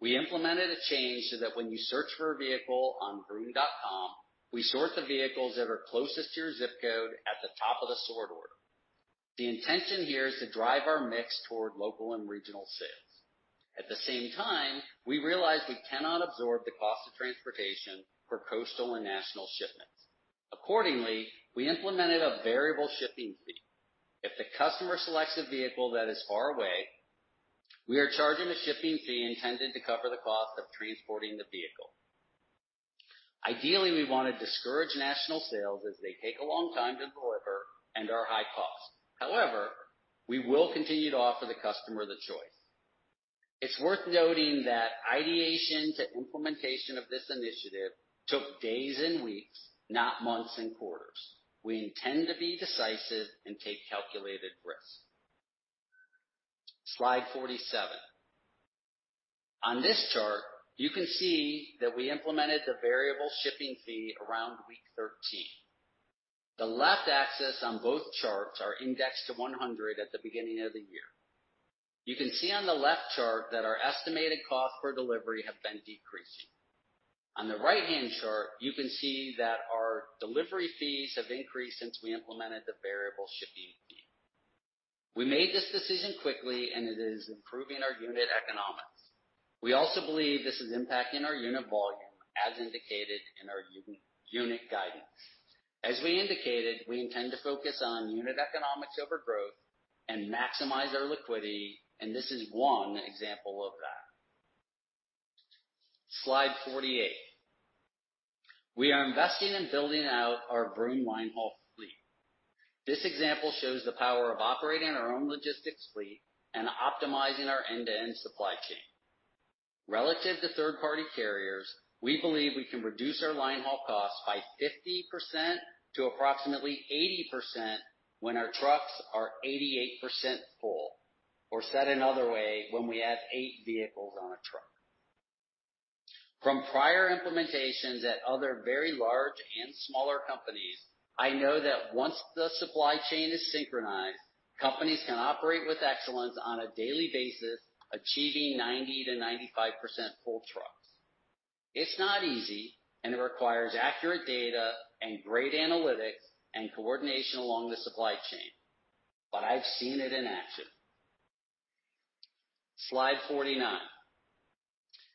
We implemented a change so that when you search for a vehicle on vroom.com, we sort the vehicles that are closest to your ZIP code at the top of the sort order. The intention here is to drive our mix toward local and regional sales. At the same time, we realize we cannot absorb the cost of transportation for coastal and national shipments. Accordingly, we implemented a variable shipping fee. If the customer selects a vehicle that is far away, we are charging a shipping fee intended to cover the cost of transporting the vehicle. Ideally, we wanna discourage national sales as they take a long time to deliver and are high cost. However, we will continue to offer the customer the choice. It's worth noting that ideation to implementation of this initiative took days and weeks, not months and quarters. We intend to be decisive and take calculated risks. Slide 47. On this chart, you can see that we implemented the variable shipping fee around week 13. The left axis on both charts are indexed to 100 at the beginning of the year. You can see on the left chart that our estimated cost per delivery have been decreasing. On the right-hand chart, you can see that our delivery fees have increased since we implemented the variable shipping fee. We made this decision quickly, and it is improving our unit economics. We also believe this is impacting our unit volume as indicated in our Q1 unit guidance. As we indicated, we intend to focus on unit economics over growth and maximize our liquidity, and this is one example of that. Slide 48. We are investing in building out our Vroom linehaul fleet. This example shows the power of operating our own logistics fleet and optimizing our end-to-end supply chain. Relative to third-party carriers, we believe we can reduce our linehaul costs by 50% to approximately 80% when our trucks are 88% full. Said another way, when we have eight vehicles on a truck. From prior implementations at other very large and smaller companies, I know that once the supply chain is synchronized, companies can operate with excellence on a daily basis, achieving 90%-95% full trucks. It's not easy and it requires accurate data and great analytics and coordination along the supply chain, but I've seen it in action. Slide 49.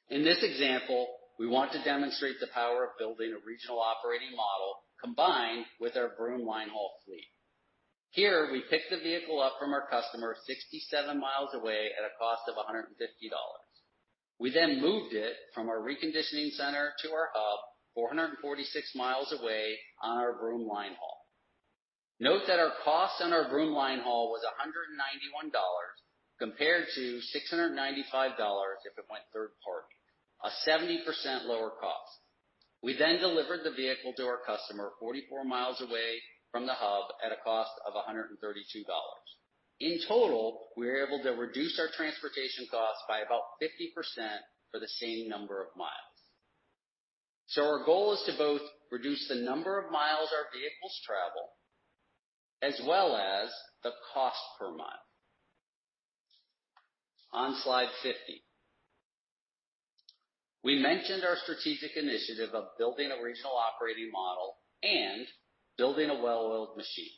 In this example, we want to demonstrate the power of building a regional operating model combined with our Vroom linehaul fleet. Here, we picked the vehicle up from our customer 67 miles away at a cost of $150. We then moved it from our reconditioning center to our hub 446 miles away on our Vroom linehaul. Note that our cost on our Vroom linehaul was $191 compared to $695 if it went third party, a 70% lower cost. We then delivered the vehicle to our customer 44 miles away from the hub at a cost of $132. In total, we were able to reduce our transportation costs by about 50% for the same number of miles. Our goal is to both reduce the number of miles our vehicles travel as well as the cost per mile. On slide 50. We mentioned our strategic initiative of building a regional operating model and building a well-oiled machine.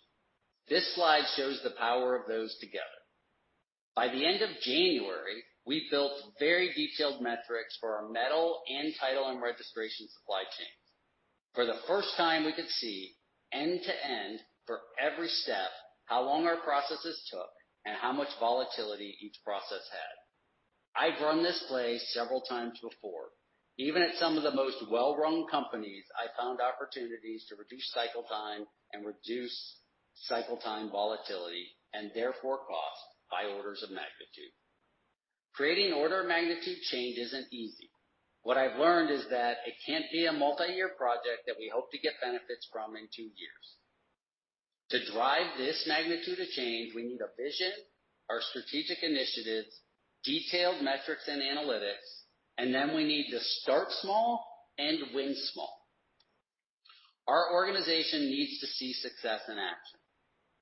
This slide shows the power of those together. By the end of January, we built very detailed metrics for our metal and title and registration supply chains. For the first time, we could see end-to-end for every step how long our processes took and how much volatility each process had. I've run this play several times before. Even at some of the most well-run companies, I found opportunities to reduce cycle time and reduce cycle time volatility, and therefore cost by orders of magnitude. Creating order of magnitude change isn't easy. What I've learned is that it can't be a multi-year project that we hope to get benefits from in two years. To drive this magnitude of change, we need a vision, our strategic initiatives, detailed metrics and analytics, and then we need to start small and win small. Our organization needs to see success in action.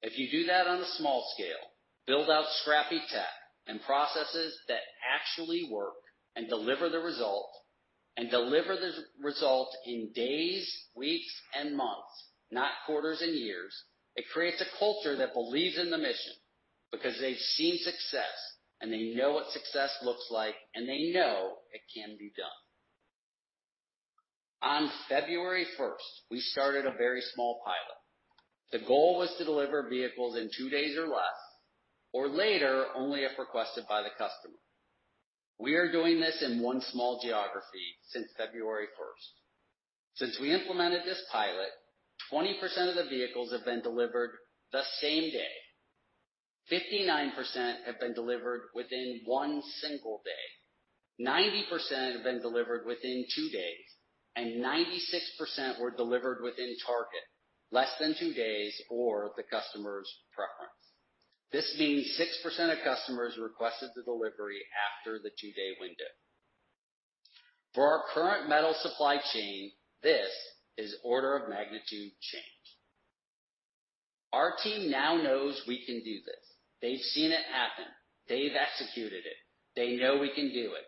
If you do that on a small scale, build out scrappy tech and processes that actually work and deliver the result, and deliver the result in days, weeks, and months, not quarters and years, it creates a culture that believes in the mission because they've seen success, and they know what success looks like, and they know it can be done. On February first, we started a very small pilot. The goal was to deliver vehicles in two days or less, or later, only if requested by the customer. We are doing this in one small geography since February first. Since we implemented this pilot, 20% of the vehicles have been delivered the same day. 59% have been delivered within one single day. 90% have been delivered within two days, and 96% were delivered within target, less than two days or the customer's preference. This means 6% of customers requested the delivery after the two-day window. For our current metal supply chain, this is order of magnitude change. Our team now knows we can do this. They've seen it happen. They've executed it. They know we can do it.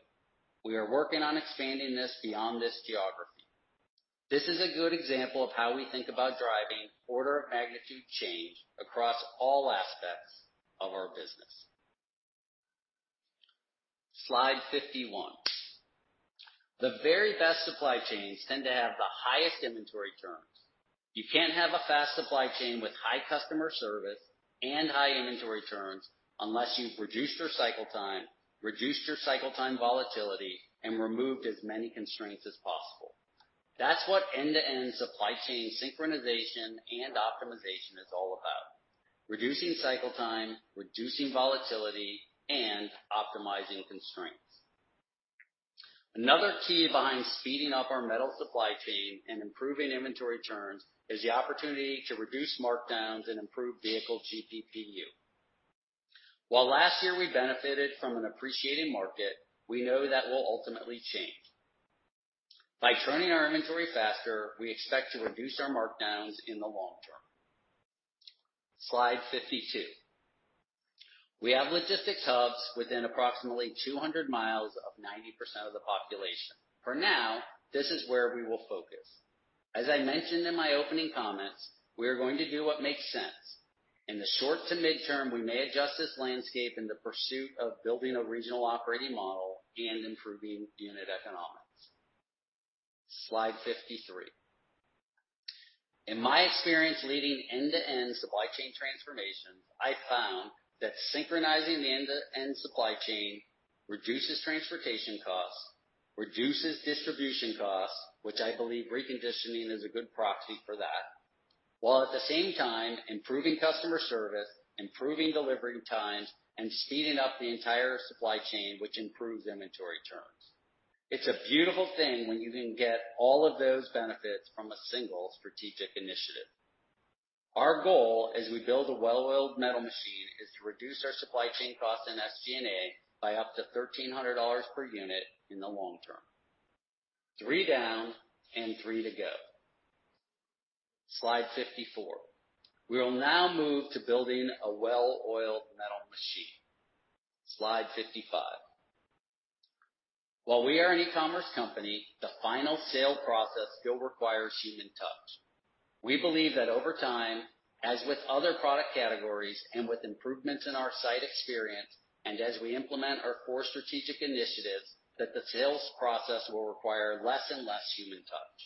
We are working on expanding this beyond this geography. This is a good example of how we think about driving order of magnitude change across all aspects of our business. Slide 51. The very best supply chains tend to have the highest inventory turns. You can't have a fast supply chain with high customer service and high inventory turns unless you've reduced your cycle time, reduced your cycle time volatility, and removed as many constraints as possible. That's what end-to-end supply chain synchronization and optimization is all about, reducing cycle time, reducing volatility, and optimizing constraints. Another key behind speeding up our metal supply chain and improving inventory turns is the opportunity to reduce markdowns and improve vehicle GPPU. While last year we benefited from an appreciated market, we know that will ultimately change. By turning our inventory faster, we expect to reduce our markdowns in the long term. Slide 52. We have logistics hubs within approximately 200 miles of 90% of the population. For now, this is where we will focus. As I mentioned in my opening comments, we are going to do what makes sense. In the short to mid-term, we may adjust this landscape in the pursuit of building a regional operating model and improving unit economics. Slide 53. In my experience leading end-to-end supply chain transformations, I found that synchronizing the end-to-end supply chain reduces transportation costs, reduces distribution costs, which I believe reconditioning is a good proxy for that. While at the same time improving customer service, improving delivery times, and speeding up the entire supply chain, which improves inventory turns. It's a beautiful thing when you can get all of those benefits from a single strategic initiative. Our goal as we build a well-oiled metal machine is to reduce our supply chain costs and FCNA by up to $1,300 per unit in the long term. three down and three to go. Slide 54. We will now move to building a well-oiled metal machine. Slide 55. While we are an e-commerce company, the final sale process still requires human touch. We believe that over time, as with other product categories and with improvements in our site experience, and as we implement our core strategic initiatives, that the sales process will require less and less human touch.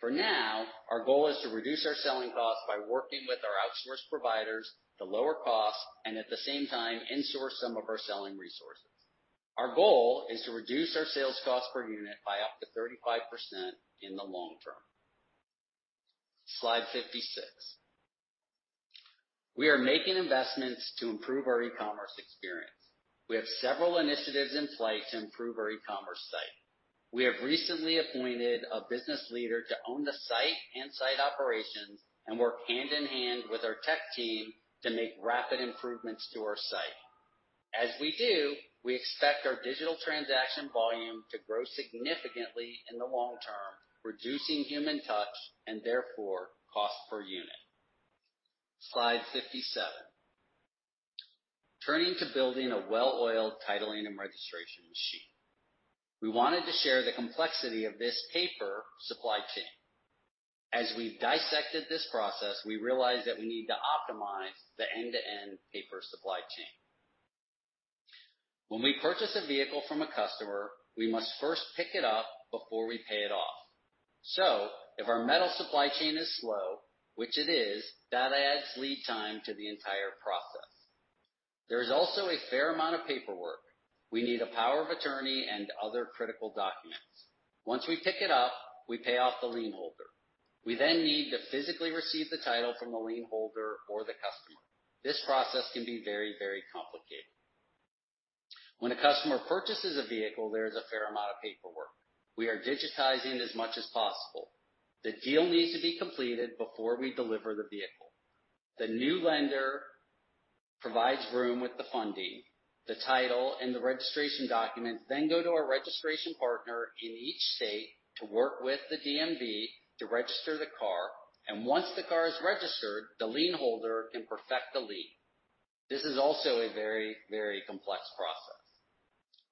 For now, our goal is to reduce our selling costs by working with our outsourced providers to lower costs and at the same time insource some of our selling resources. Our goal is to reduce our sales cost per unit by up to 35% in the long term. Slide 56. We are making investments to improve our e-commerce experience. We have several initiatives in place to improve our e-commerce site. We have recently appointed a business leader to own the site and site operations and work hand in hand with our tech team to make rapid improvements to our site. As we do, we expect our digital transaction volume to grow significantly in the long term, reducing human touch and therefore cost per unit. Slide 57. Turning to building a well-oiled titling and registration machine. We wanted to share the complexity of this paper supply chain. As we've dissected this process, we realized that we need to optimize the end-to-end paper supply chain. When we purchase a vehicle from a customer, we must first pick it up before we pay it off. If our title supply chain is slow, which it is, that adds lead time to the entire process. There is also a fair amount of paperwork. We need a power of attorney and other critical documents. Once we pick it up, we pay off the lienholder. We then need to physically receive the title from the lienholder or the customer. This process can be very, very complicated. When a customer purchases a vehicle, there is a fair amount of paperwork. We are digitizing as much as possible. The deal needs to be completed before we deliver the vehicle. The new lender provides Vroom with the funding. The title and the registration documents then go to our registration partner in each state to work with the DMV to register the car. Once the car is registered, the lienholder can perfect the lien. This is also a very, very complex process.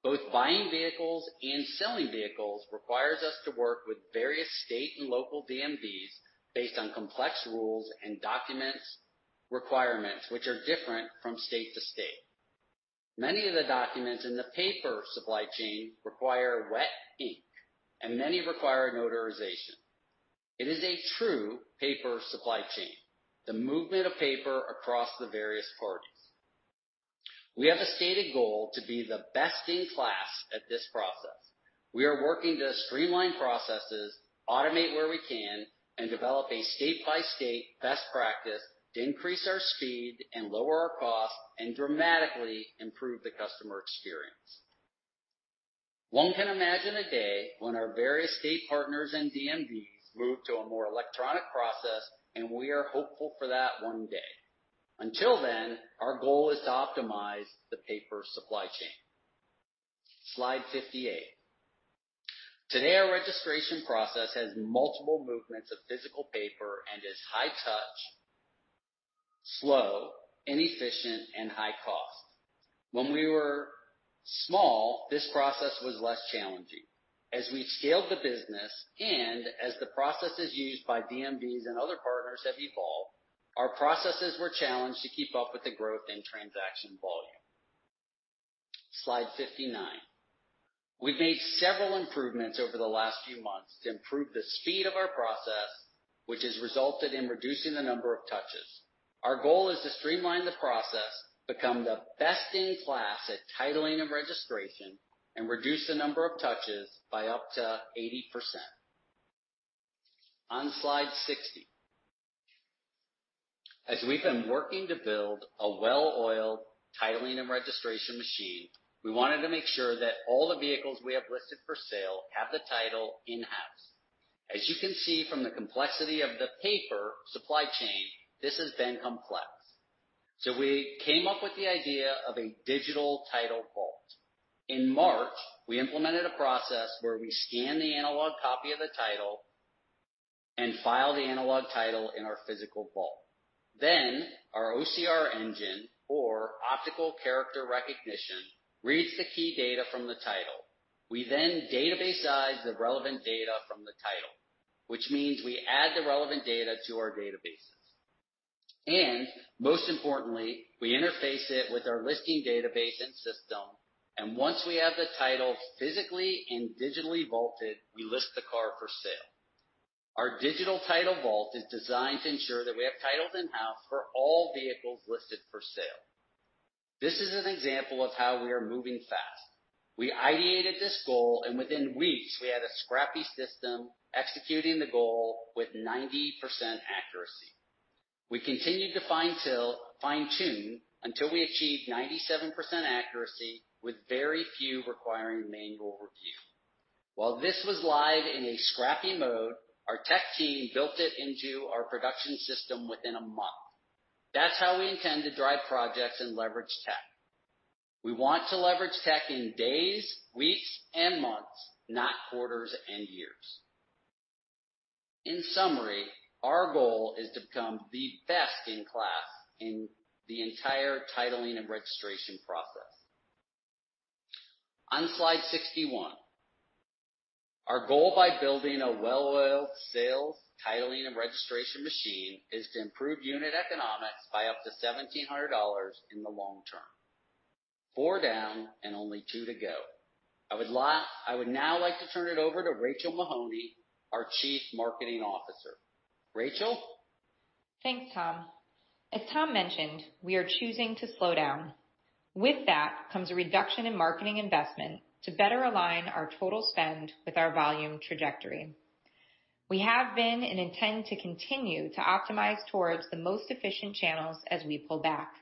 Both buying vehicles and selling vehicles requires us to work with various state and local DMVs based on complex rules and documents requirements, which are different from state to state. Many of the documents in the paper supply chain require wet ink, and many require notarization. It is a true paper supply chain, the movement of paper across the various parties. We have a stated goal to be the best in class at this process. We are working to streamline processes, automate where we can, and develop a state-by-state best practice to increase our speed and lower our cost and dramatically improve the customer experience. One can imagine a day when our various state partners and DMVs move to a more electronic process, and we are hopeful for that one day. Until then, our goal is to optimize the paper supply chain. Slide 58. Today, our registration process has multiple movements of physical paper and is high touch, slow, inefficient, and high cost. When we were small, this process was less challenging. As we scaled the business and as the processes used by DMVs and other partners have evolved, our processes were challenged to keep up with the growth in transaction volume. Slide 59. We've made several improvements over the last few months to improve the speed of our process, which has resulted in reducing the number of touches. Our goal is to streamline the process, become the best in class at titling and registration, and reduce the number of touches by up to 80%. On slide 60. As we've been working to build a well-oiled titling and registration machine, we wanted to make sure that all the vehicles we have listed for sale have the title in-house. As you can see from the complexity of the paper supply chain, this has been complex. We came up with the idea of a digital title vault. In March, we implemented a process where we scan the analog copy of the title and file the analog title in our physical vault. Our OCR engine or optical character recognition reads the key data from the title. We then database-ize the relevant data from the title, which means we add the relevant data to our databases. Most importantly, we interface it with our listing database and system. Once we have the title physically and digitally vaulted, we list the car for sale. Our digital title vault is designed to ensure that we have titles in-house for all vehicles listed for sale. This is an example of how we are moving fast. We ideated this goal, and within weeks, we had a scrappy system executing the goal with 90% accuracy. We continued to fine-tune until we achieved 97% accuracy with very few requiring manual review. While this was live in a scrappy mode, our tech team built it into our production system within a month. That's how we intend to drive projects and leverage tech. We want to leverage tech in days, weeks, and months, not quarters and years. In summary, our goal is to become the best in class in the entire titling and registration process. On slide 61. Our goal by building a well-oiled sales, titling, and registration machine is to improve unit economics by up to $1,700 in the long term. 4 down and only 2 to go. I would now like to turn it over to Rachel Mahoney, our Chief Marketing Officer. Rachel? Thanks, Tom. As Tom mentioned, we are choosing to slow down. With that comes a reduction in marketing investment to better align our total spend with our volume trajectory. We have been and intend to continue to optimize towards the most efficient channels as we pull back.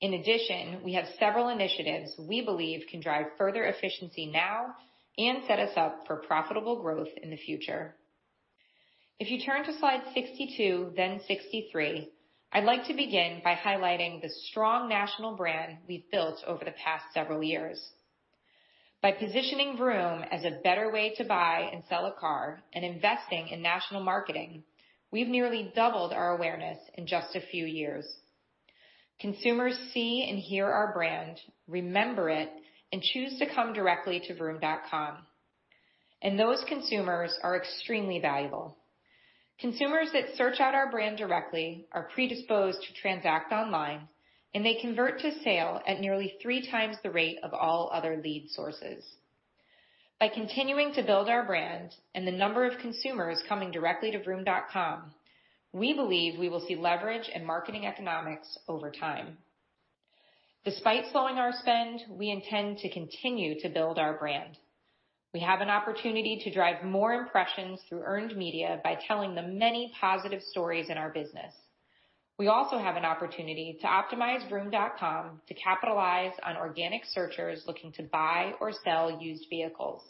In addition, we have several initiatives we believe can drive further efficiency now and set us up for profitable growth in the future. If you turn to slide 62, then 63, I'd like to begin by highlighting the strong national brand we've built over the past several years. By positioning Vroom as a better way to buy and sell a car and investing in national marketing, we've nearly doubled our awareness in just a few years. Consumers see and hear our brand, remember it, and choose to come directly to vroom.com, and those consumers are extremely valuable. Consumers that search out our brand directly are predisposed to transact online, and they convert to sale at nearly three times the rate of all other lead sources. By continuing to build our brand and the number of consumers coming directly to vroom.com, we believe we will see leverage and marketing economics over time. Despite slowing our spend, we intend to continue to build our brand. We have an opportunity to drive more impressions through earned media by telling the many positive stories in our business. We also have an opportunity to optimize vroom.com to capitalize on organic searchers looking to buy or sell used vehicles.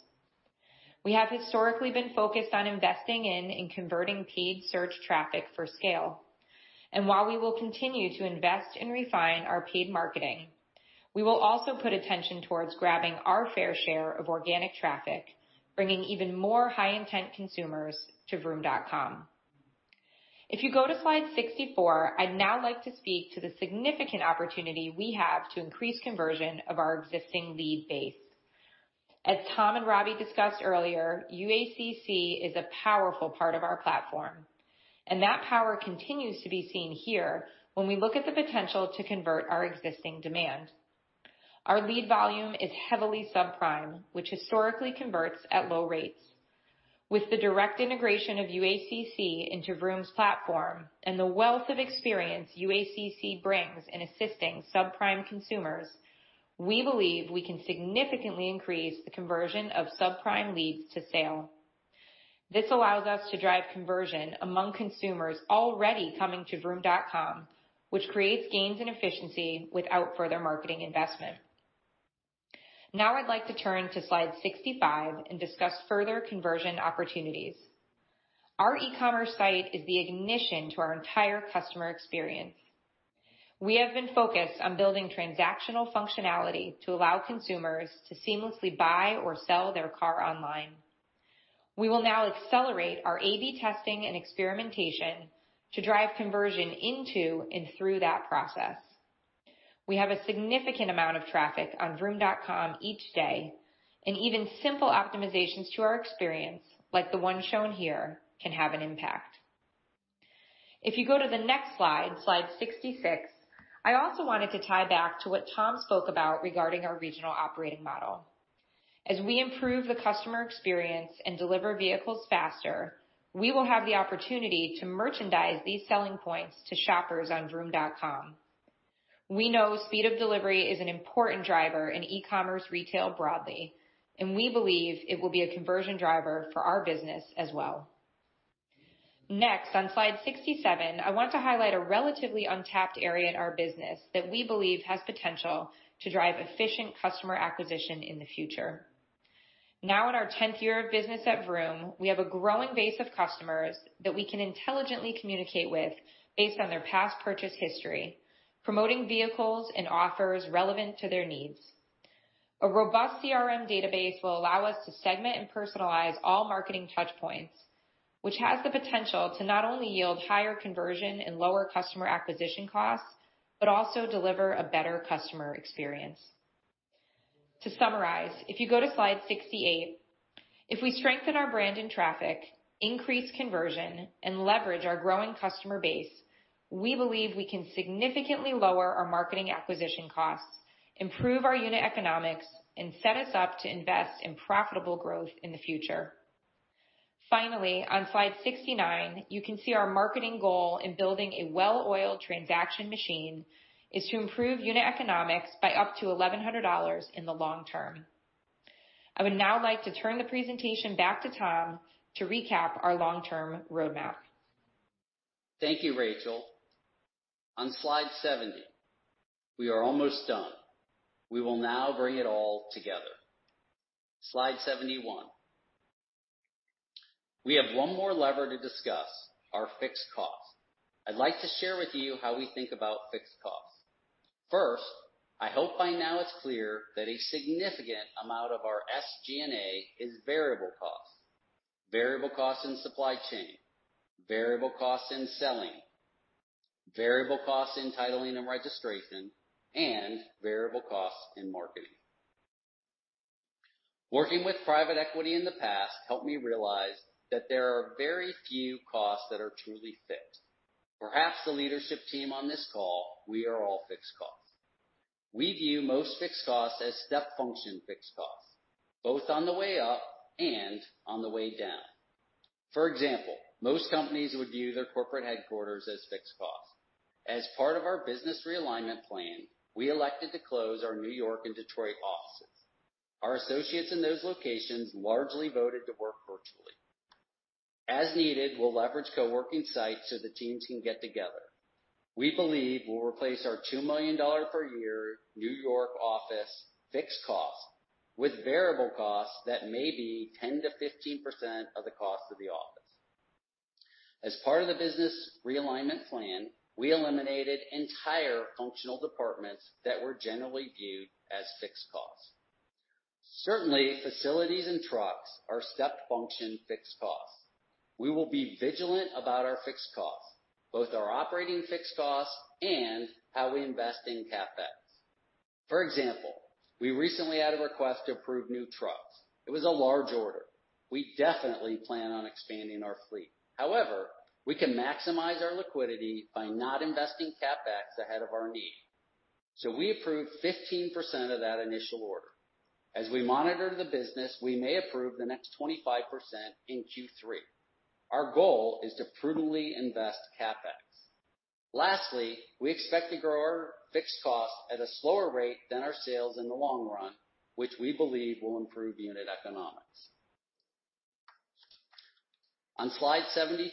We have historically been focused on investing in and converting paid search traffic for scale. While we will continue to invest and refine our paid marketing, we will also put attention towards grabbing our fair share of organic traffic, bringing even more high intent consumers to vroom.com. If you go to slide 64, I'd now like to speak to the significant opportunity we have to increase conversion of our existing lead base. As Tom and Robbie discussed earlier, UACC is a powerful part of our platform, and that power continues to be seen here when we look at the potential to convert our existing demand. Our lead volume is heavily subprime, which historically converts at low rates. With the direct integration of UACC into Vroom's platform and the wealth of experience UACC brings in assisting subprime consumers, we believe we can significantly increase the conversion of subprime leads to sale. This allows us to drive conversion among consumers already coming to vroom.com, which creates gains and efficiency without further marketing investment. Now I'd like to turn to slide 65 and discuss further conversion opportunities. Our e-commerce site is the ignition to our entire customer experience. We have been focused on building transactional functionality to allow consumers to seamlessly buy or sell their car online. We will now accelerate our A/B testing and experimentation to drive conversion into and through that process. We have a significant amount of traffic on vroom.com each day, and even simple optimizations to our experience, like the one shown here, can have an impact. If you go to the next slide 66, I also wanted to tie back to what Tom spoke about regarding our regional operating model. As we improve the customer experience and deliver vehicles faster, we will have the opportunity to merchandise these selling points to shoppers on vroom.com. We know speed of delivery is an important driver in e-commerce retail broadly, and we believe it will be a conversion driver for our business as well. Next, on slide 67, I want to highlight a relatively untapped area in our business that we believe has potential to drive efficient customer acquisition in the future. Now in our tenth year of business at Vroom, we have a growing base of customers that we can intelligently communicate with based on their past purchase history, promoting vehicles and offers relevant to their needs. A robust CRM database will allow us to segment and personalize all marketing touch points, which has the potential to not only yield higher conversion and lower customer acquisition costs, but also deliver a better customer experience. To summarize, if you go to slide 68, if we strengthen our brand and traffic, increase conversion, and leverage our growing customer base, we believe we can significantly lower our marketing acquisition costs, improve our unit economics, and set us up to invest in profitable growth in the future. Finally, on slide 69, you can see our marketing goal in building a well-oiled transaction machine is to improve unit economics by up to $1,100 in the long term. I would now like to turn the presentation back to Thomas Shortt to recap our long-term roadmap. Thank you, Rachel. On slide 70, we are almost done. We will now bring it all together. Slide 71. We have one more lever to discuss, our fixed cost. I'd like to share with you how we think about fixed costs. First, I hope by now it's clear that a significant amount of our SG&A is variable costs. Variable costs in supply chain, variable costs in selling, variable costs in titling and registration, and variable costs in marketing. Working with private equity in the past helped me realize that there are very few costs that are truly fixed. Perhaps the leadership team on this call, we are all fixed costs. We view most fixed costs as step function fixed costs, both on the way up and on the way down. For example, most companies would view their corporate headquarters as fixed costs. As part of our business realignment plan, we elected to close our New York and Detroit offices. Our associates in those locations largely voted to work virtually. As needed, we'll leverage co-working sites so the teams can get together. We believe we'll replace our $2 million per year New York office fixed cost with variable costs that may be 10%-15% of the cost of the office. As part of the business realignment plan, we eliminated entire functional departments that were generally viewed as fixed costs. Certainly, facilities and trucks are step function fixed costs. We will be vigilant about our fixed costs, both our operating fixed costs and how we invest in CapEx. For example, we recently had a request to approve new trucks. It was a large order. We definitely plan on expanding our fleet. However, we can maximize our liquidity by not investing CapEx ahead of our need. We approved 15% of that initial order. As we monitor the business, we may approve the next 25% in Q3. Our goal is to prudently invest CapEx. Lastly, we expect to grow our fixed cost at a slower rate than our sales in the long run, which we believe will improve unit economics. On slide 72.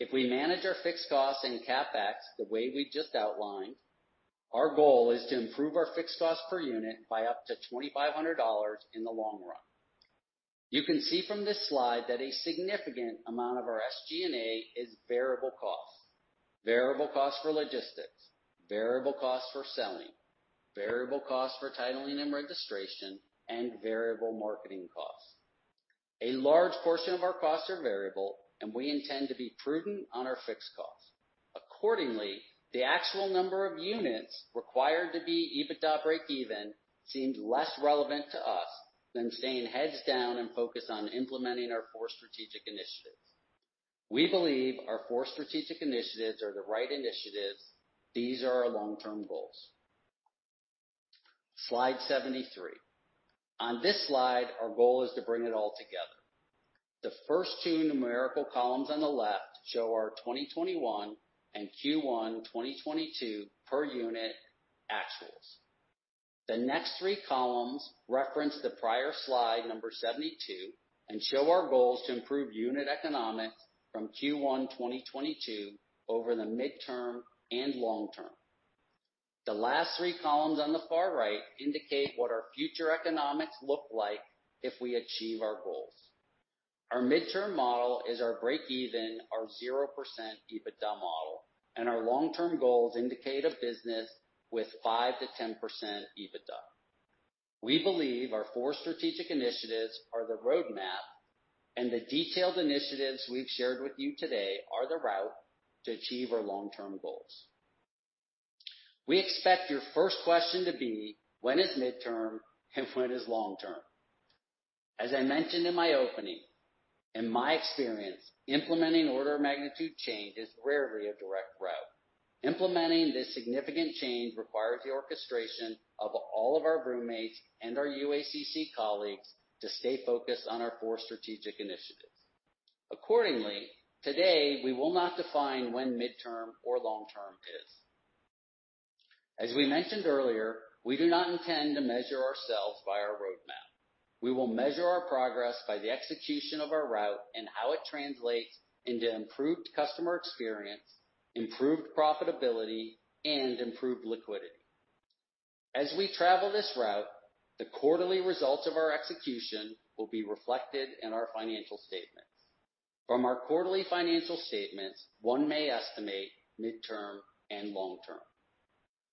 If we manage our fixed costs and CapEx the way we just outlined, our goal is to improve our fixed cost per unit by up to $2,500 in the long run. You can see from this slide that a significant amount of our SG&A is variable cost. Variable cost for logistics, variable cost for selling, variable cost for titling and registration, and variable marketing costs. A large portion of our costs are variable, and we intend to be prudent on our fixed costs. Accordingly, the actual number of units required to be EBITDA breakeven seems less relevant to us than staying heads down and focused on implementing our four strategic initiatives. We believe our four strategic initiatives are the right initiatives. These are our long-term goals. Slide 73. On this slide, our goal is to bring it all together. The first two numerical columns on the left show our 2021 and Q1 2022 per unit actuals. The next three columns reference the prior slide number 72 and show our goals to improve unit economics from Q1 2022 over the midterm and long term. The last three columns on the far right indicate what our future economics look like if we achieve our goals. Our midterm model is our breakeven, our 0% EBITDA model, and our long-term goals indicate a business with 5%-10% EBITDA. We believe our four strategic initiatives are the roadmap, and the detailed initiatives we've shared with you today are the route to achieve our long-term goals. We expect your first question to be when is midterm and when is long term? As I mentioned in my opening, in my experience, implementing order of magnitude change is rarely a direct route. Implementing this significant change requires the orchestration of all of our Vroommates and our UACC colleagues to stay focused on our four strategic initiatives. Accordingly, today, we will not define when midterm or long term is. As we mentioned earlier, we do not intend to measure ourselves by our roadmap. We will measure our progress by the execution of our route and how it translates into improved customer experience, improved profitability, and improved liquidity. As we travel this route, the quarterly results of our execution will be reflected in our financial statements. From our quarterly financial statements, one may estimate midterm and long term.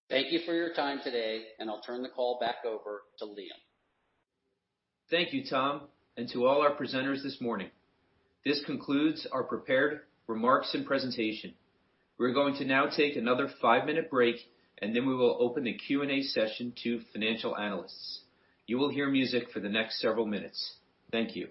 Thank you for your time today, and I'll turn the call back over to Liam. Thank you, Tom, and to all our presenters this morning. This concludes our prepared remarks and presentation. We're going to now take another five-minute break, and then we will open the Q&A session to financial analysts. You will hear music for the next several minutes. Thank you.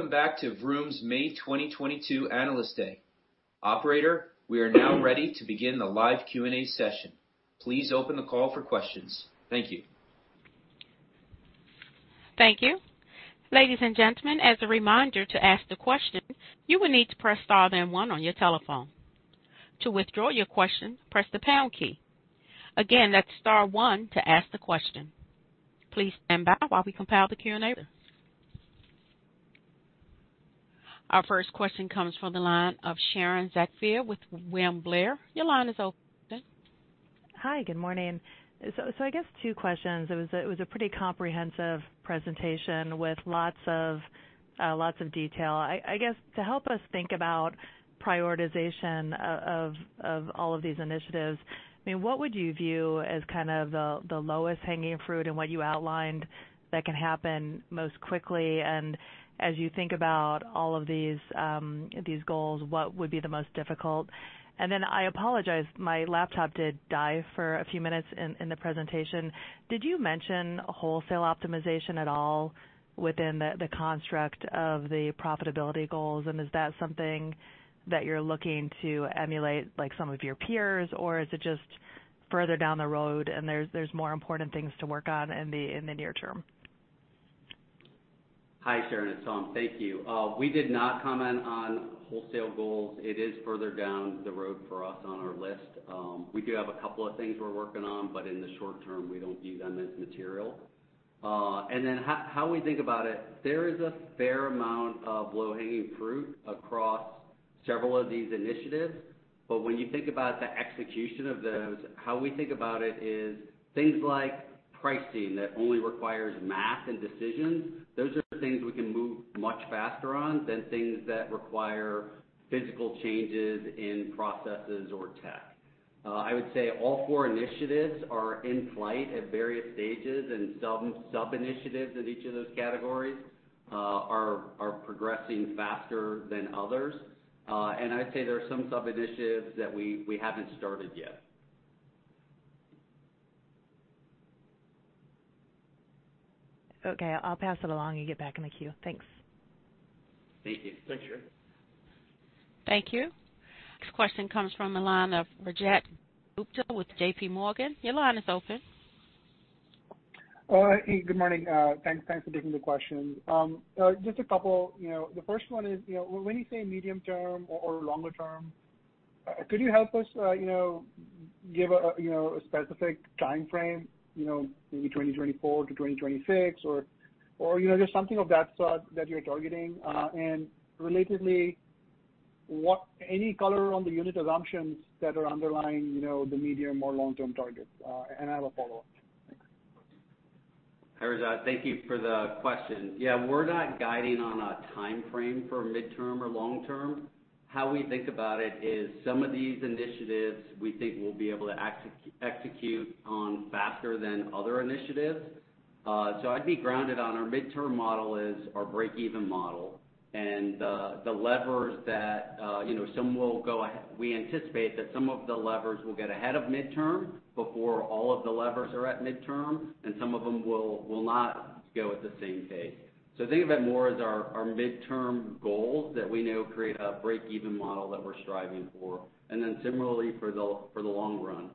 Welcome back to Vroom's May 2022 Analyst Day. Operator, we are now ready to begin the live Q&A session. Please open the call for questions. Thank you. Thank you. Ladies and gentlemen, as a reminder to ask the question, you will need to press star then one on your telephone. To withdraw your question, press the pound key. Again, that's star one to ask the question. Please stand by while we compile the Q&A. Our first question comes from the line of Sharon Zackfia with William Blair. Your line is open. Hi. Good morning. I guess two questions. It was a pretty comprehensive presentation with lots of detail. I guess to help us think about prioritization of all of these initiatives, I mean, what would you view as kind of the lowest hanging fruit in what you outlined that can happen most quickly? As you think about all of these these goals, what would be the most difficult? I apologize, my laptop did die for a few minutes in the presentation. Did you mention wholesale optimization at all within the construct of the profitability goals? Is that something that you're looking to emulate like some of your peers, or is it just further down the road, and there's more important things to work on in the near term? Hi, Sharon, it's Tom. Thank you. We did not comment on wholesale goals. It is further down the road for us on our list. We do have a couple of things we're working on, but in the short term, we don't view them as material. How we think about it, there is a fair amount of low-hanging fruit across several of these initiatives, but when you think about the execution of those, how we think about it is things like pricing that only requires math and decisions. Those are things we can move much faster on than things that require physical changes in processes or tech. I would say all four initiatives are in flight at various stages, and some sub-initiatives in each of those categories are progressing faster than others. I'd say there are some sub-initiatives that we haven't started yet. Okay. I'll pass it along and get back in the queue. Thanks. Thank you. Thank you. Next question comes from the line of Rajat Gupta with J.P. Morgan. Your line is open. Hey, good morning. Thanks for taking the questions. Just a couple. You know, the first one is, you know, when you say medium term or longer term, could you help us, you know, give a, you know, a specific timeframe, you know, maybe 2024-2026? Or, you know, just something of that sort that you're targeting. Relatedly, what any color on the unit assumptions that are underlying, you know, the medium or long-term targets? I have a follow-up. Thanks. Hi, Rajat. Thank you for the question. Yeah, we're not guiding on a timeframe for midterm or long term. How we think about it is some of these initiatives we think we'll be able to execute on faster than other initiatives. I'd say grounded on our midterm model is our breakeven model. The levers that you know some will go ahead. We anticipate that some of the levers will get ahead of midterm before all of the levers are at midterm, and some of them will not go at the same pace. Think of it more as our midterm goals that we know create a breakeven model that we're striving for, and then similarly for the long run.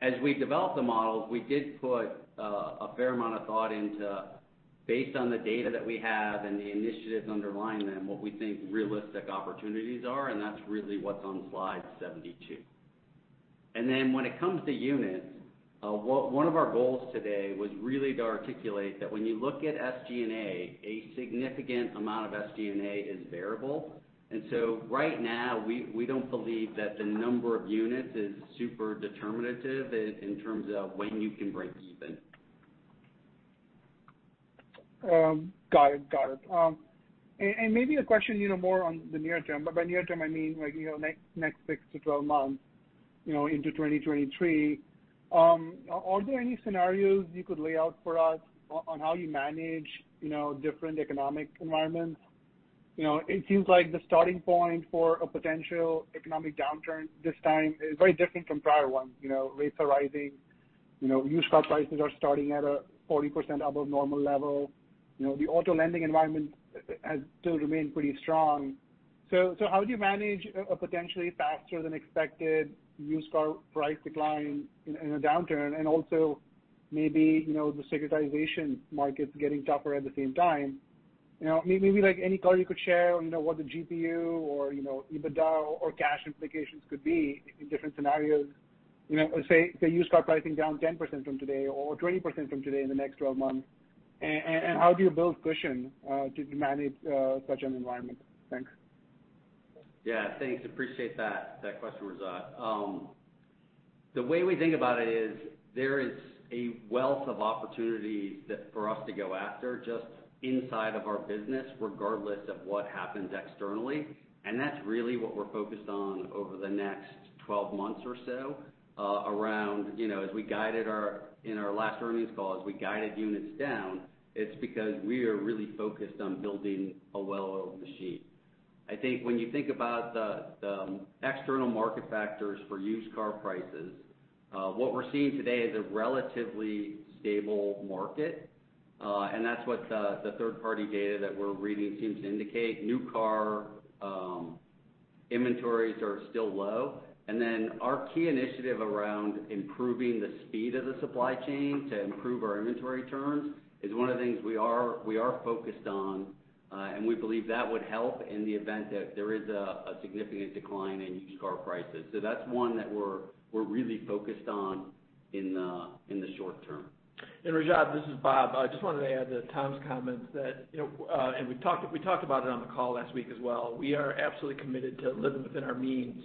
As we developed the models, we did put a fair amount of thought into, based on the data that we have and the initiatives underlying them, what we think realistic opportunities are, and that's really what's on slide 72. Then when it comes to units, one of our goals today was really to articulate that when you look at SG&A, a significant amount of SG&A is variable. Right now, we don't believe that the number of units is super determinative in terms of when you can break even. Got it. And maybe a question, you know, more on the near term, but by near term, I mean, like, you know, next six-12 months, you know, into 2023. Are there any scenarios you could lay out for us on how you manage, you know, different economic environments? You know, it seems like the starting point for a potential economic downturn this time is very different from prior ones. You know, rates are rising. You know, used car prices are starting at a 40% above normal level. You know, the auto lending environment has still remained pretty strong. How would you manage a potentially faster than expected used car price decline in a downturn and also maybe, you know, the securitization markets getting tougher at the same time? You know, maybe like any color you could share on, you know, what the GPU or, you know, EBITDA or cash implications could be in different scenarios. You know, say used car pricing down 10% from today or 20% from today in the next 12 months. How do you build cushion to manage such an environment? Thanks. Yeah. Thanks. Appreciate that question, Rajat. The way we think about it is there is a wealth of opportunities for us to go after just inside of our business, regardless of what happens externally. That's really what we're focused on over the next 12 months or so, you know, as we guided in our last earnings call, as we guided units down, it's because we are really focused on building a well-oiled machine. I think when you think about the external market factors for used car prices, what we're seeing today is a relatively stable market, and that's what the third-party data that we're reading seems to indicate. New car inventories are still low. Our key initiative around improving the speed of the supply chain to improve our inventory turns is one of the things we are focused on, and we believe that would help in the event that there is a significant decline in used car prices. That's one that we're really focused on in the short term. Rajat, this is Bob. I just wanted to add to Tom's comments that you know we talked about it on the call last week as well. We are absolutely committed to living within our means,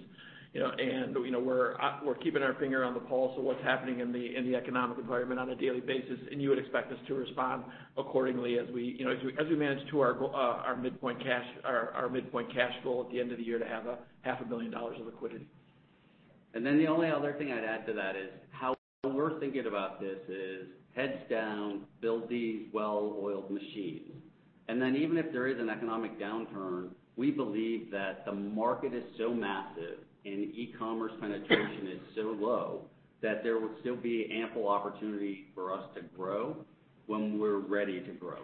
you know, and you know we're keeping our finger on the pulse of what's happening in the economic environment on a daily basis, and you would expect us to respond accordingly as we you know as we manage to our midpoint cash goal at the end of the year to have a half a billion dollars of liquidity. The only other thing I'd add to that is how we're thinking about this is heads down, build these well-oiled machines. Even if there is an economic downturn, we believe that the market is so massive and e-commerce penetration is so low that there will still be ample opportunity for us to grow when we're ready to grow.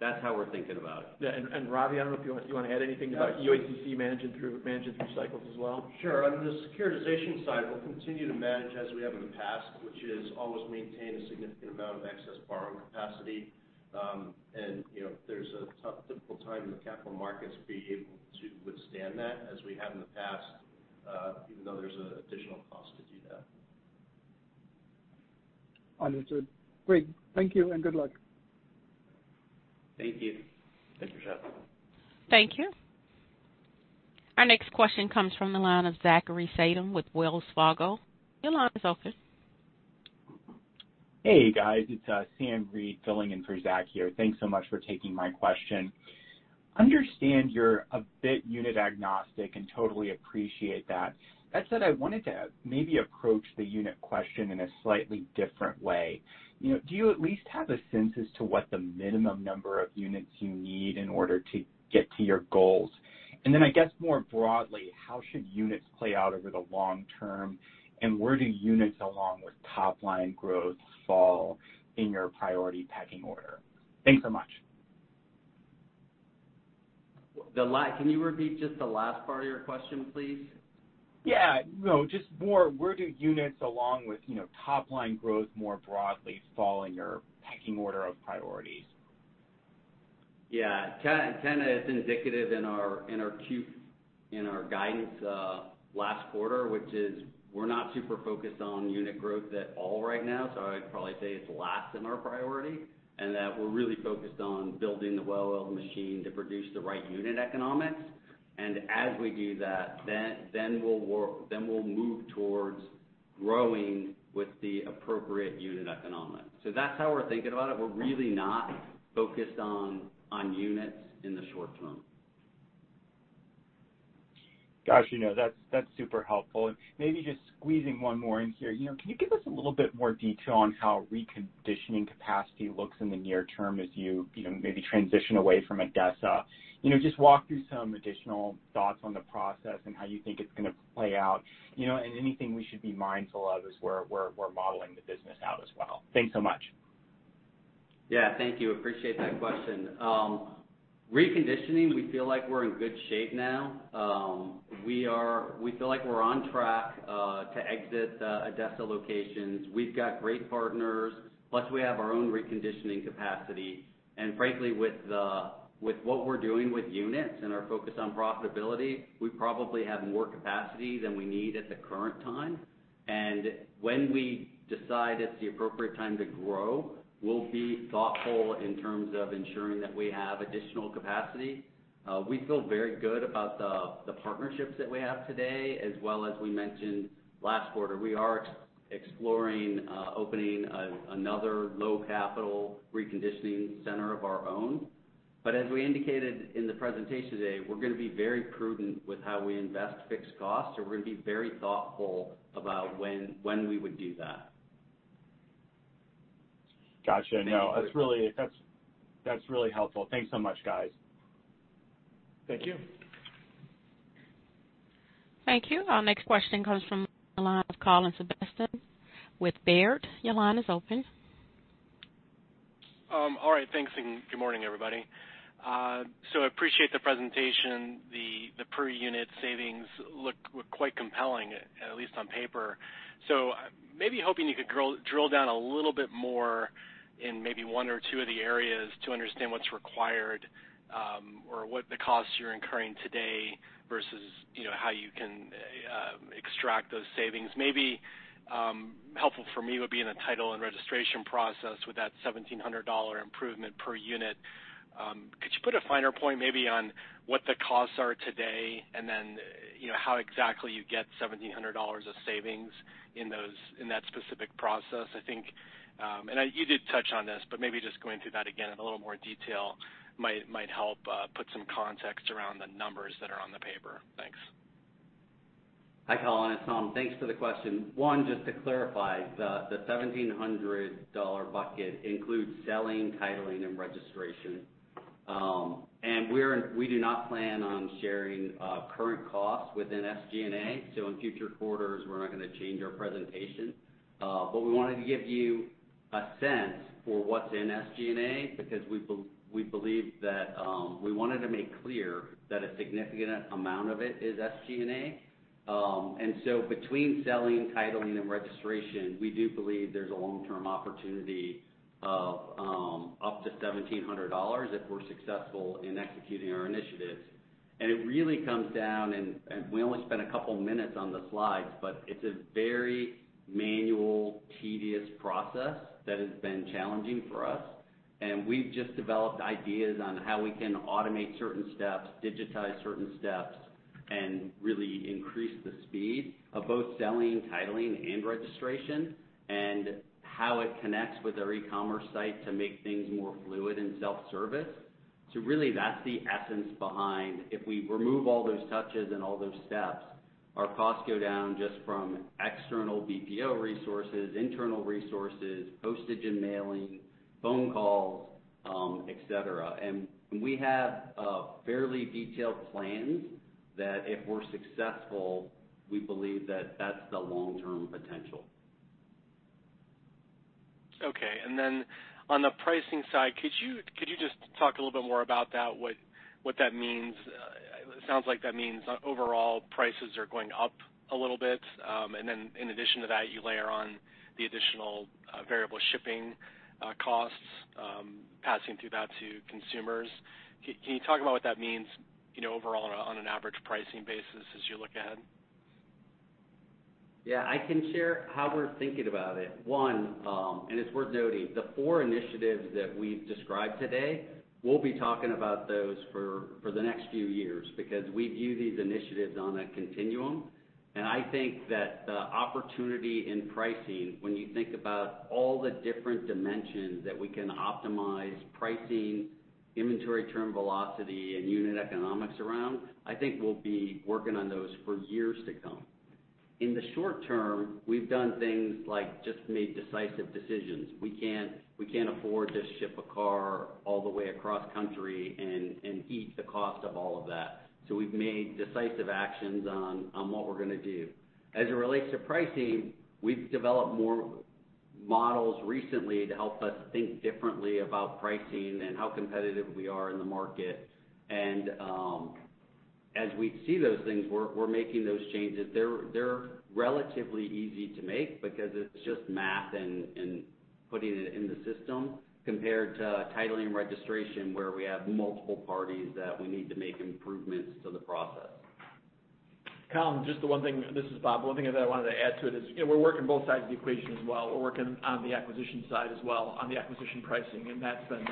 That's how we're thinking about it. Yeah, Ravi, I don't know if you want to add anything about UACC managing through cycles as well? Sure. On the securitization side, we'll continue to manage as we have in the past, which is always maintain a significant amount of excess borrowing capacity. You know, if there's a tough, difficult time in the capital markets, be able to withstand that as we have in the past, even though there's an additional cost to do that. Understood. Great. Thank you, and good luck. Thank you. Thanks, Rajat. Thank you. Our next question comes from the line of Zachary Fadem with Wells Fargo. Your line is open. Hey, guys. It's Sam Reid filling in for Zach here. Thanks so much for taking my question. Understand you're a bit unit agnostic and totally appreciate that. That said, I wanted to maybe approach the unit question in a slightly different way. You know, do you at least have a sense as to what the minimum number of units you need in order to get to your goals? Then I guess more broadly, how should units play out over the long term, and where do units along with top line growth fall in your priority pecking order? Thanks so much. Can you repeat just the last part of your question, please? Yeah. No, just more where do units along with, you know, top line growth more broadly fall in your pecking order of priorities? Yeah. Kind of, it's indicative in our guidance last quarter, which is we're not super focused on unit growth at all right now. I'd probably say it's last in our priority, and that we're really focused on building the well-oiled machine to produce the right unit economics. As we do that, then we'll move towards growing with the appropriate unit economics. That's how we're thinking about it. We're really not focused on units in the short term. Got you. No, that's super helpful. Maybe just squeezing one more in here. You know, can you give us a little bit more detail on how reconditioning capacity looks in the near term as you know, maybe transition away from ADESA? You know, just walk through some additional thoughts on the process and how you think it's gonna play out, you know, and anything we should be mindful of as we're modeling the business out as well. Thanks so much. Yeah. Thank you. Appreciate that question. Reconditioning, we feel like we're in good shape now. We feel like we're on track to exit the ADESA locations. We've got great partners, plus we have our own reconditioning capacity. Frankly, with what we're doing with units and our focus on profitability, we probably have more capacity than we need at the current time. When we decide it's the appropriate time to grow, we'll be thoughtful in terms of ensuring that we have additional capacity. We feel very good about the partnerships that we have today, as well as we mentioned last quarter. We are exploring opening another low capital reconditioning center of our own. As we indicated in the presentation today, we're gonna be very prudent with how we invest fixed costs. We're gonna be very thoughtful about when we would do that. Gotcha. No, that's really. Thank you. That's really helpful. Thanks so much, guys. Thank you. Thank you. Our next question comes from the line of Colin Sebastian with Baird. Your line is open. All right, thanks. Good morning, everybody. Appreciate the presentation. The per unit savings look quite compelling, at least on paper. Maybe hoping you could drill down a little bit more in maybe one or two of the areas to understand what's required, or what the costs you're incurring today versus, you know, how you can extract those savings. Maybe helpful for me would be in the title and registration process with that $1,700 improvement per unit. Could you put a finer point maybe on what the costs are today, and then, you know, how exactly you get $1,700 of savings in those, in that specific process? I think. You did touch on this, but maybe just going through that again in a little more detail might help put some context around the numbers that are on the paper. Thanks. Hi, Colin. It's Tom. Thanks for the question. One, just to clarify, the $1,700 dollar bucket includes selling, titling, and registration. We do not plan on sharing current costs within SG&A. In future quarters, we're not gonna change our presentation. We wanted to give you a sense for what's in SG&A because we believe that we wanted to make clear that a significant amount of it is SG&A. Between selling, titling, and registration, we do believe there's a long-term opportunity of up to $1,700 if we're successful in executing our initiatives. It really comes down, and we only spent a couple minutes on the slides, but it's a very manual, tedious process that has been challenging for us. We've just developed ideas on how we can automate certain steps, digitize certain steps, and really increase the speed of both selling, titling, and registration and how it connects with our e-commerce site to make things more fluid and self-service. Really that's the essence behind if we remove all those touches and all those steps, our costs go down just from external BPO resources, internal resources, postage and mailing, phone calls, et cetera. We have fairly detailed plans that if we're successful, we believe that that's the long-term potential. Okay. On the pricing side, could you just talk a little bit more about that, what that means? It sounds like that means overall prices are going up a little bit. In addition to that, you layer on the additional variable shipping costs, passing through that to consumers. Can you talk about what that means, you know, overall on an average pricing basis as you look ahead? Yeah. I can share how we're thinking about it. One, and it's worth noting, the four initiatives that we've described today, we'll be talking about those for the next few years because we view these initiatives on a continuum. I think that the opportunity in pricing, when you think about all the different dimensions that we can optimize pricing, inventory turn velocity, and unit economics around, I think we'll be working on those for years to come. In the short term, we've done things like just made decisive decisions. We can't afford to ship a car all the way across country and eat the cost of all of that. We've made decisive actions on what we're gonna do. As it relates to pricing, we've developed more models recently to help us think differently about pricing and how competitive we are in the market. As we see those things, we're making those changes. They're relatively easy to make because it's just math and putting it in the system compared to titling and registration, where we have multiple parties that we need to make improvements to the process. Colin, just the one thing. This is Bob. One thing that I wanted to add to it is, you know, we're working both sides of the equation as well. We're working on the acquisition side as well, on the acquisition pricing, and that's been,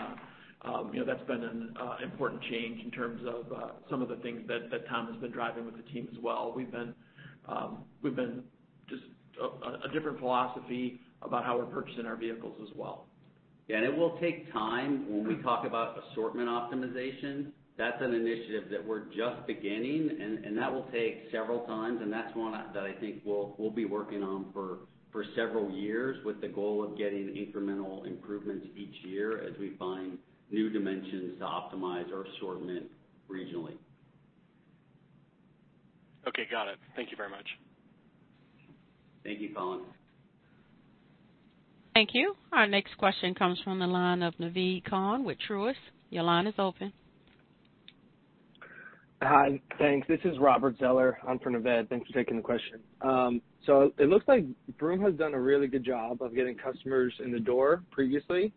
you know, that's been an important change in terms of some of the things that Tom has been driving with the team as well. We've been just a different philosophy about how we're purchasing our vehicles as well. Yeah. It will take time when we talk about assortment optimization. That's an initiative that we're just beginning, and that will take several times, and that's one that I think we'll be working on for several years with the goal of getting incremental improvements each year as we find new dimensions to optimize our assortment regionally. Okay, got it. Thank you very much. Thank you, Colin. Thank you. Our next question comes from the line of Naved Khan with Truist. Your line is open. Hi. Thanks. This is Robert Zeller. I'm from Naved Khan. Thanks for taking the question. It looks like Vroom has done a really good job of getting customers in the door previously.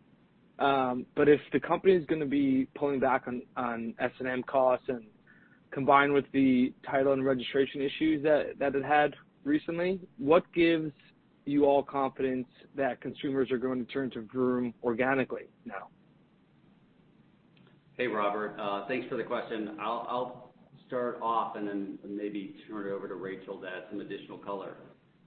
If the company is gonna be pulling back on S&M costs and combined with the title and registration issues that it had recently, what gives you all confidence that consumers are going to turn to Vroom organically now? Hey, Robert. Thanks for the question. I'll start off and then maybe turn it over to Rachel to add some additional color.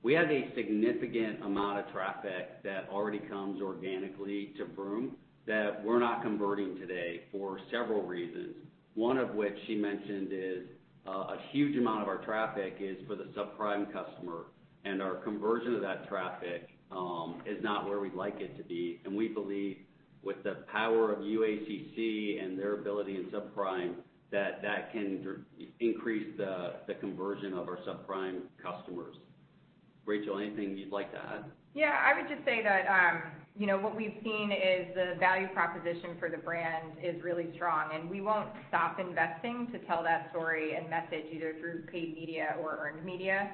We have a significant amount of traffic that already comes organically to Vroom that we're not converting today for several reasons. One of which she mentioned is a huge amount of our traffic is for the subprime customer, and our conversion of that traffic is not where we'd like it to be. We believe with the power of UACC and their ability in subprime, that that can increase the conversion of our subprime customers. Rachel, anything you'd like to add? Yeah. I would just say that, you know, what we've seen is the value proposition for the brand is really strong, and we won't stop investing to tell that story and message either through paid media or earned media.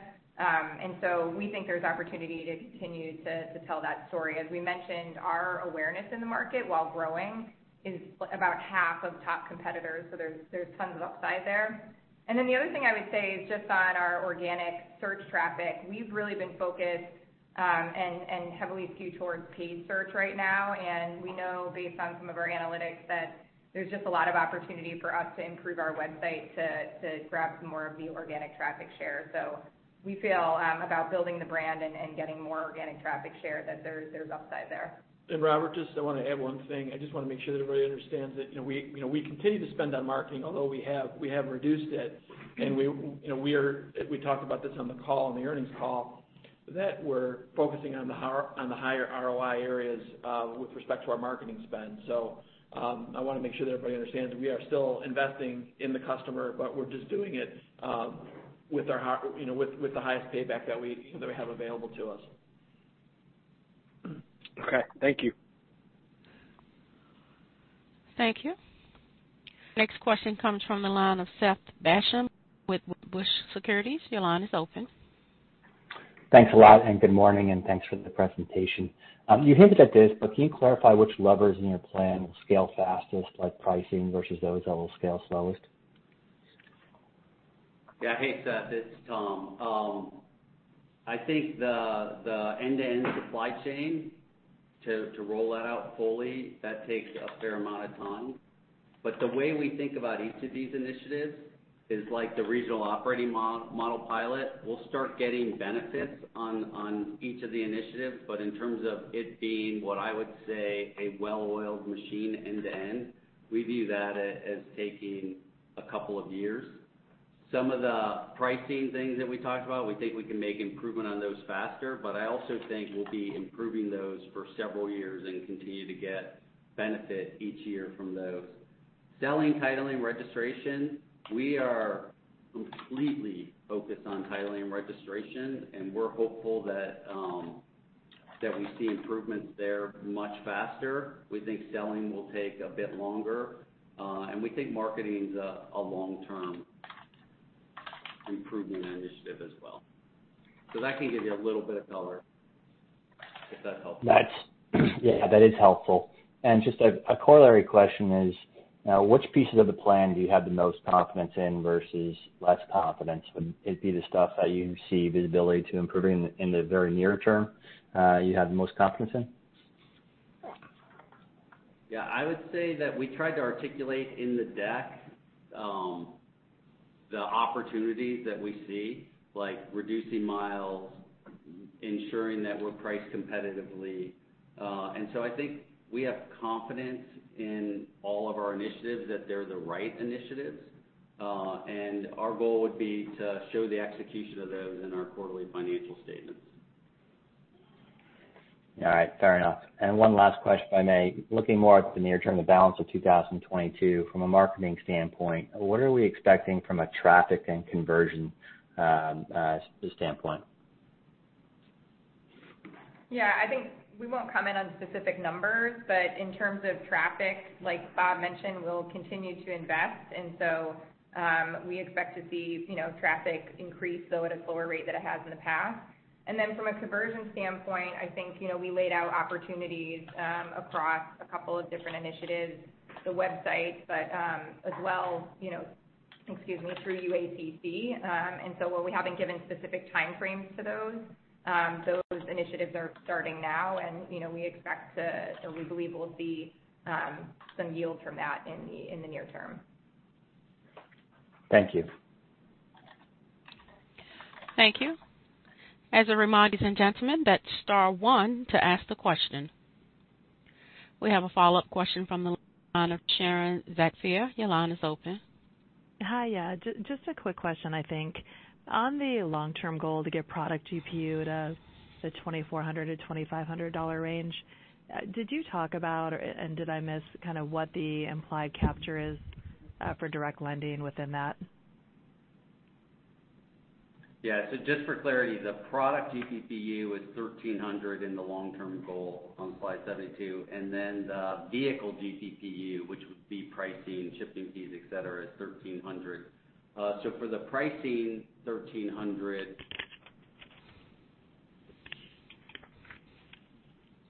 We think there's opportunity to continue to tell that story. As we mentioned, our awareness in the market, while growing, is about half of top competitors, so there's tons of upside there. Then the other thing I would say is just on our organic search traffic, we've really been focused, and heavily skewed towards paid search right now. We know based on some of our analytics that there's just a lot of opportunity for us to improve our website to grab some more of the organic traffic share. We feel about building the brand and getting more organic traffic share that there's upside there. Robert, just I want to add one thing. I just want to make sure that everybody understands that we continue to spend on marketing, although we have reduced it. We talked about this on the call, on the earnings call, that we're focusing on the higher ROI areas with respect to our marketing spend. I want to make sure that everybody understands that we are still investing in the customer, but we're just doing it with the highest payback that we have available to us. Okay. Thank you. Thank you. Next question comes from the line of Seth Basham with Wedbush Securities. Your line is open. Thanks a lot and good morning, and thanks for the presentation. You hinted at this. Can you clarify which levers in your plan will scale fastest, like pricing versus those that will scale slowest? Yeah. Hey, Seth. It's Tom. I think the end-to-end supply chain to roll that out fully, that takes a fair amount of time. The way we think about each of these initiatives is like the regional operating model pilot. We'll start getting benefits on each of the initiatives, but in terms of it being what I would say a well-oiled machine end to end, we view that as taking a couple of years. Some of the pricing things that we talked about, we think we can make improvement on those faster, but I also think we'll be improving those for several years and continue to get benefit each year from those. Selling, titling, registration, we are completely focused on titling and registration, and we're hopeful that that we see improvements there much faster. We think selling will take a bit longer, and we think marketing's a long-term improvement initiative as well. That can give you a little bit of color, if that helps. Yeah, that is helpful. Just a corollary question is, now which pieces of the plan do you have the most confidence in versus less confidence? Would it be the stuff that you see visibility to improving in the very near term, you have the most confidence in? Yeah. I would say that we tried to articulate in the deck, the opportunities that we see, like reducing miles, ensuring that we're priced competitively. I think we have confidence in all of our initiatives that they're the right initiatives. Our goal would be to show the execution of those in our quarterly financial statements. All right. Fair enough. One last question, if I may. Looking more at the near term, the balance of 2022 from a marketing standpoint, what are we expecting from a traffic and conversion standpoint? Yeah, I think we won't comment on specific numbers, but in terms of traffic, like Bob mentioned, we'll continue to invest, and so we expect to see, you know, traffic increase, though at a slower rate than it has in the past. From a conversion standpoint, I think, you know, we laid out opportunities across a couple of different initiatives, the website, but as well, you know, excuse me, through UACC. While we haven't given specific time frames to those initiatives are starting now. You know, we expect or we believe we'll see some yield from that in the near term. Thank you. Thank you. As a reminder, ladies and gentlemen, that's star one to ask the question. We have a follow-up question from the line of Sharon Zackfia. Your line is open. Hi. Just a quick question, I think. On the long-term goal to get product GPPU to the $2,400-$2,500 range, did you talk about, and did I miss kind of what the implied capture is, for direct lending within that? Yeah. Just for clarity, the product GPPU is 1,300 in the long term goal on slide 72, and then the vehicle GPPU, which would be pricing, shipping fees, et cetera, is 1,300. For the pricing, 1,300.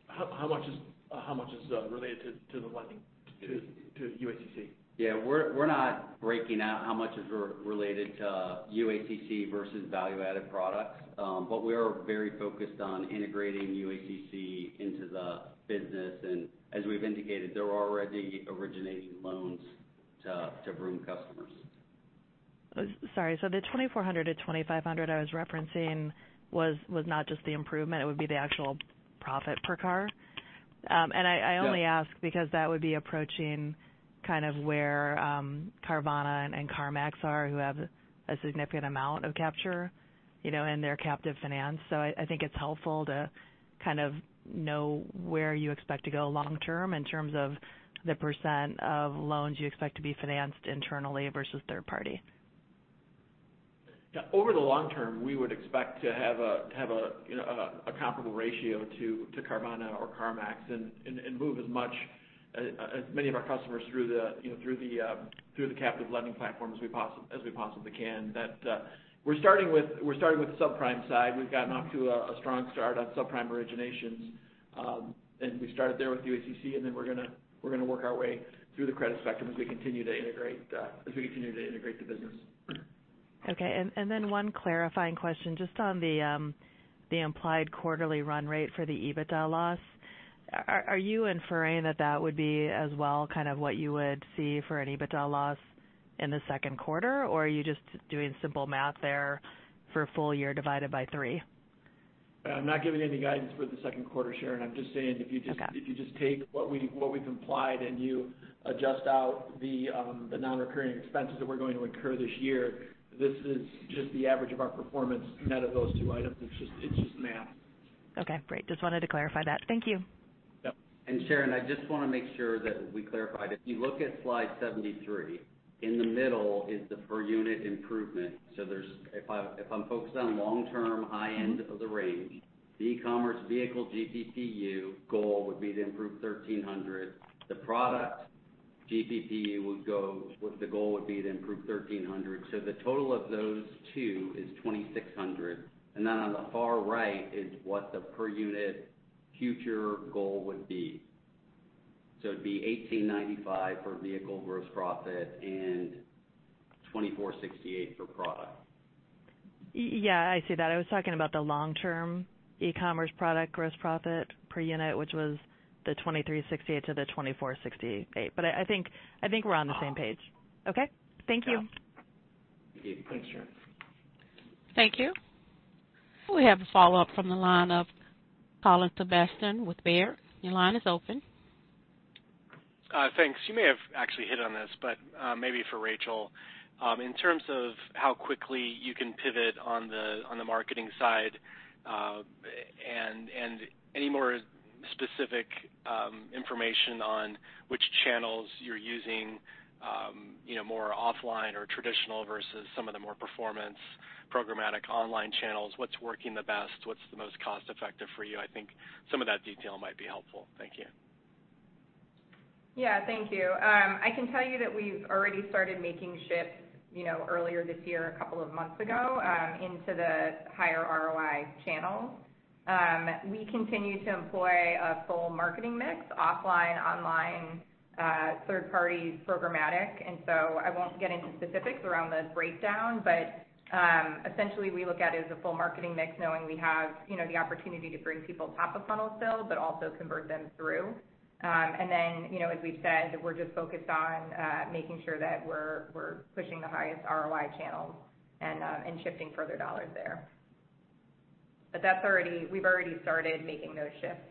How much is related to the lending to UACC? Yeah. We're not breaking out how much is related to UACC versus value-added products. We are very focused on integrating UACC into the business. As we've indicated, they're already originating loans to Vroom customers. Sorry. The $2,400-$2,500 I was referencing was not just the improvement, it would be the actual profit per car? Yeah. I only ask because that would be approaching kind of where Carvana and CarMax are, who have a significant amount of capture, you know, in their captive finance. I think it's helpful to kind of know where you expect to go long term in terms of the percent of loans you expect to be financed internally versus third party. Yeah. Over the long term, we would expect to have a you know, a comparable ratio to Carvana or CarMax and move as many of our customers through the captive lending platform as we possibly can. That, we're starting with the subprime side. We've gotten off to a strong start on subprime originations, and we started there with UACC, and then we're gonna work our way through the credit spectrum as we continue to integrate the business. Okay. Then one clarifying question. Just on the implied quarterly run rate for the EBITDA loss, are you inferring that that would be as well kind of what you would see for an EBITDA loss in the second quarter? Or are you just doing simple math there for a full year divided by three? I'm not giving any guidance for the second quarter, Sharon. I'm just saying if you just. Okay. If you just take what we've implied and you adjust out the non-recurring expenses that we're going to incur this year, this is just the average of our performance net of those two items. It's just math. Okay, great. Just wanted to clarify that. Thank you. Yep. Sharon, I just wanna make sure that we clarified. If you look at slide 73, in the middle is the per unit improvement. If I'm focused on long-term high end of the range, the e-commerce vehicle GPPU goal would be to improve $1,300. The product GPPU goal would be to improve 1,300. The total of those two is 2,600. Then on the far right is what the per unit future goal would be. It'd be 1,895 for vehicle gross profit and 2,468 for product. Yeah, I see that. I was talking about the long-term e-commerce product gross profit per unit, which was the $2,368-$2,468. I think we're on the same page. Okay? Thank you. Yeah. Thanks, Sharon. Thank you. We have a follow-up from the line of Colin Sebastian with Baird. Your line is open. Thanks. You may have actually hit on this, but maybe for Rachel. In terms of how quickly you can pivot on the marketing side, and any more specific information on which channels you're using, you know, more offline or traditional versus some of the more performance programmatic online channels, what's working the best, what's the most cost effective for you? I think some of that detail might be helpful. Thank you. Yeah. Thank you. I can tell you that we've already started making shifts, you know, earlier this year, a couple of months ago, into the higher ROI channels. We continue to employ a full marketing mix, offline, online, third-party programmatic. I won't get into specifics around the breakdown, but, essentially, we look at it as a full marketing mix, knowing we have, you know, the opportunity to bring people top of funnel still but also convert them through. You know, as we've said, we're just focused on making sure that we're pushing the highest ROI channels and shifting further dollars there. That's already. We've already started making those shifts,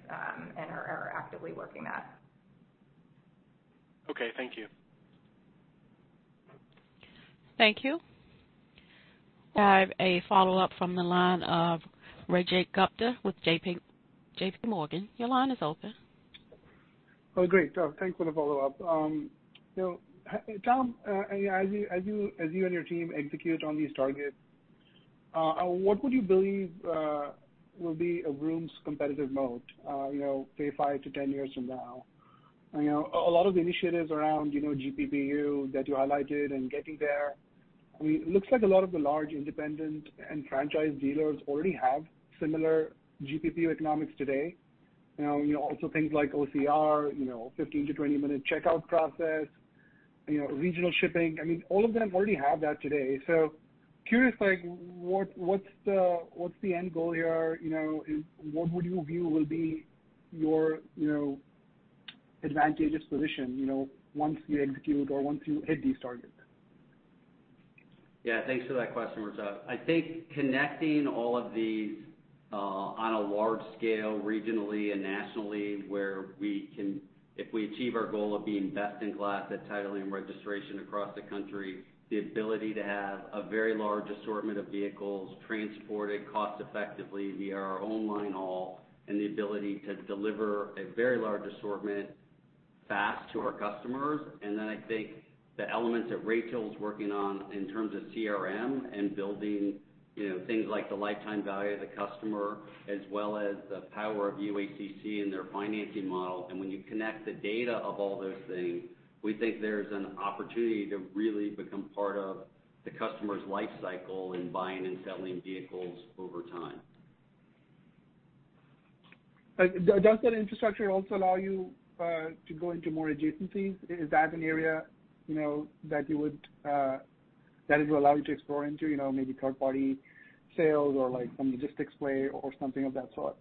and are actively working that. Okay, thank you. Thank you. I have a follow-up from the line of Rajat Gupta with J.P. Morgan. Your line is open. Oh, great. Thanks for the follow-up. You know, Tom, yeah, as you and your team execute on these targets, what would you believe will be Vroom's competitive moat, you know, say, five-10 years from now? You know, a lot of initiatives around, you know, GPPU that you highlighted and getting there. I mean, looks like a lot of the large independent and franchise dealers already have similar GPP economics today. You know, also things like OCR, you know, 15-20 minute checkout process, you know, regional shipping. I mean, all of them already have that today. Curious, like what's the end goal here, you know? And what would you view will be your, you know, advantageous position, you know, once you execute or once you hit these targets? Yeah. Thanks for that question, Rajat. I think connecting all of these on a large scale, regionally and nationally. If we achieve our goal of being best in class at titling and registration across the country, the ability to have a very large assortment of vehicles transported cost effectively via our own line haul, and the ability to deliver a very large assortment fast to our customers. I think the elements that Rachel's working on in terms of CRM and building, you know, things like the lifetime value of the customer as well as the power of UACC and their financing model. When you connect the data of all those things, we think there's an opportunity to really become part of the customer's life cycle in buying and selling vehicles over time. Like, does that infrastructure also allow you to go into more adjacencies? Is that an area, you know, that it will allow you to explore into, you know, maybe third party sales or like some logistics play or something of that sort?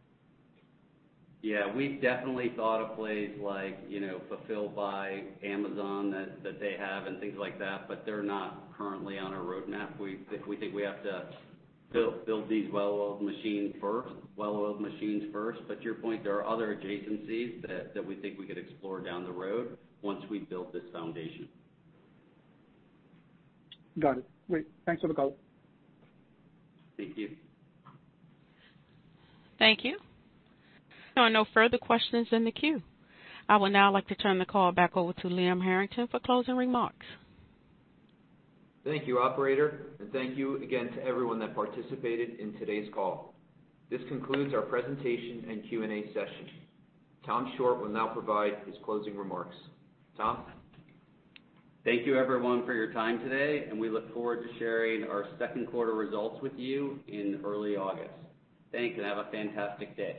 Yeah, we've definitely thought of plays like, you know, fulfilled by Amazon that they have and things like that, but they're not currently on our roadmap. We think we have to build these well-oiled machines first. To your point, there are other adjacencies that we think we could explore down the road once we build this foundation. Got it. Great. Thanks for the call. Thank you. Thank you. There are no further questions in the queue. I would now like to turn the call back over to Liam Harrington for closing remarks. Thank you, operator, and thank you again to everyone that participated in today's call. This concludes our presentation and Q&A session. Thomas Shortt will now provide his closing remarks. Tom. Thank you everyone for your time today, and we look forward to sharing our second quarter results with you in early August. Thanks, and have a fantastic day.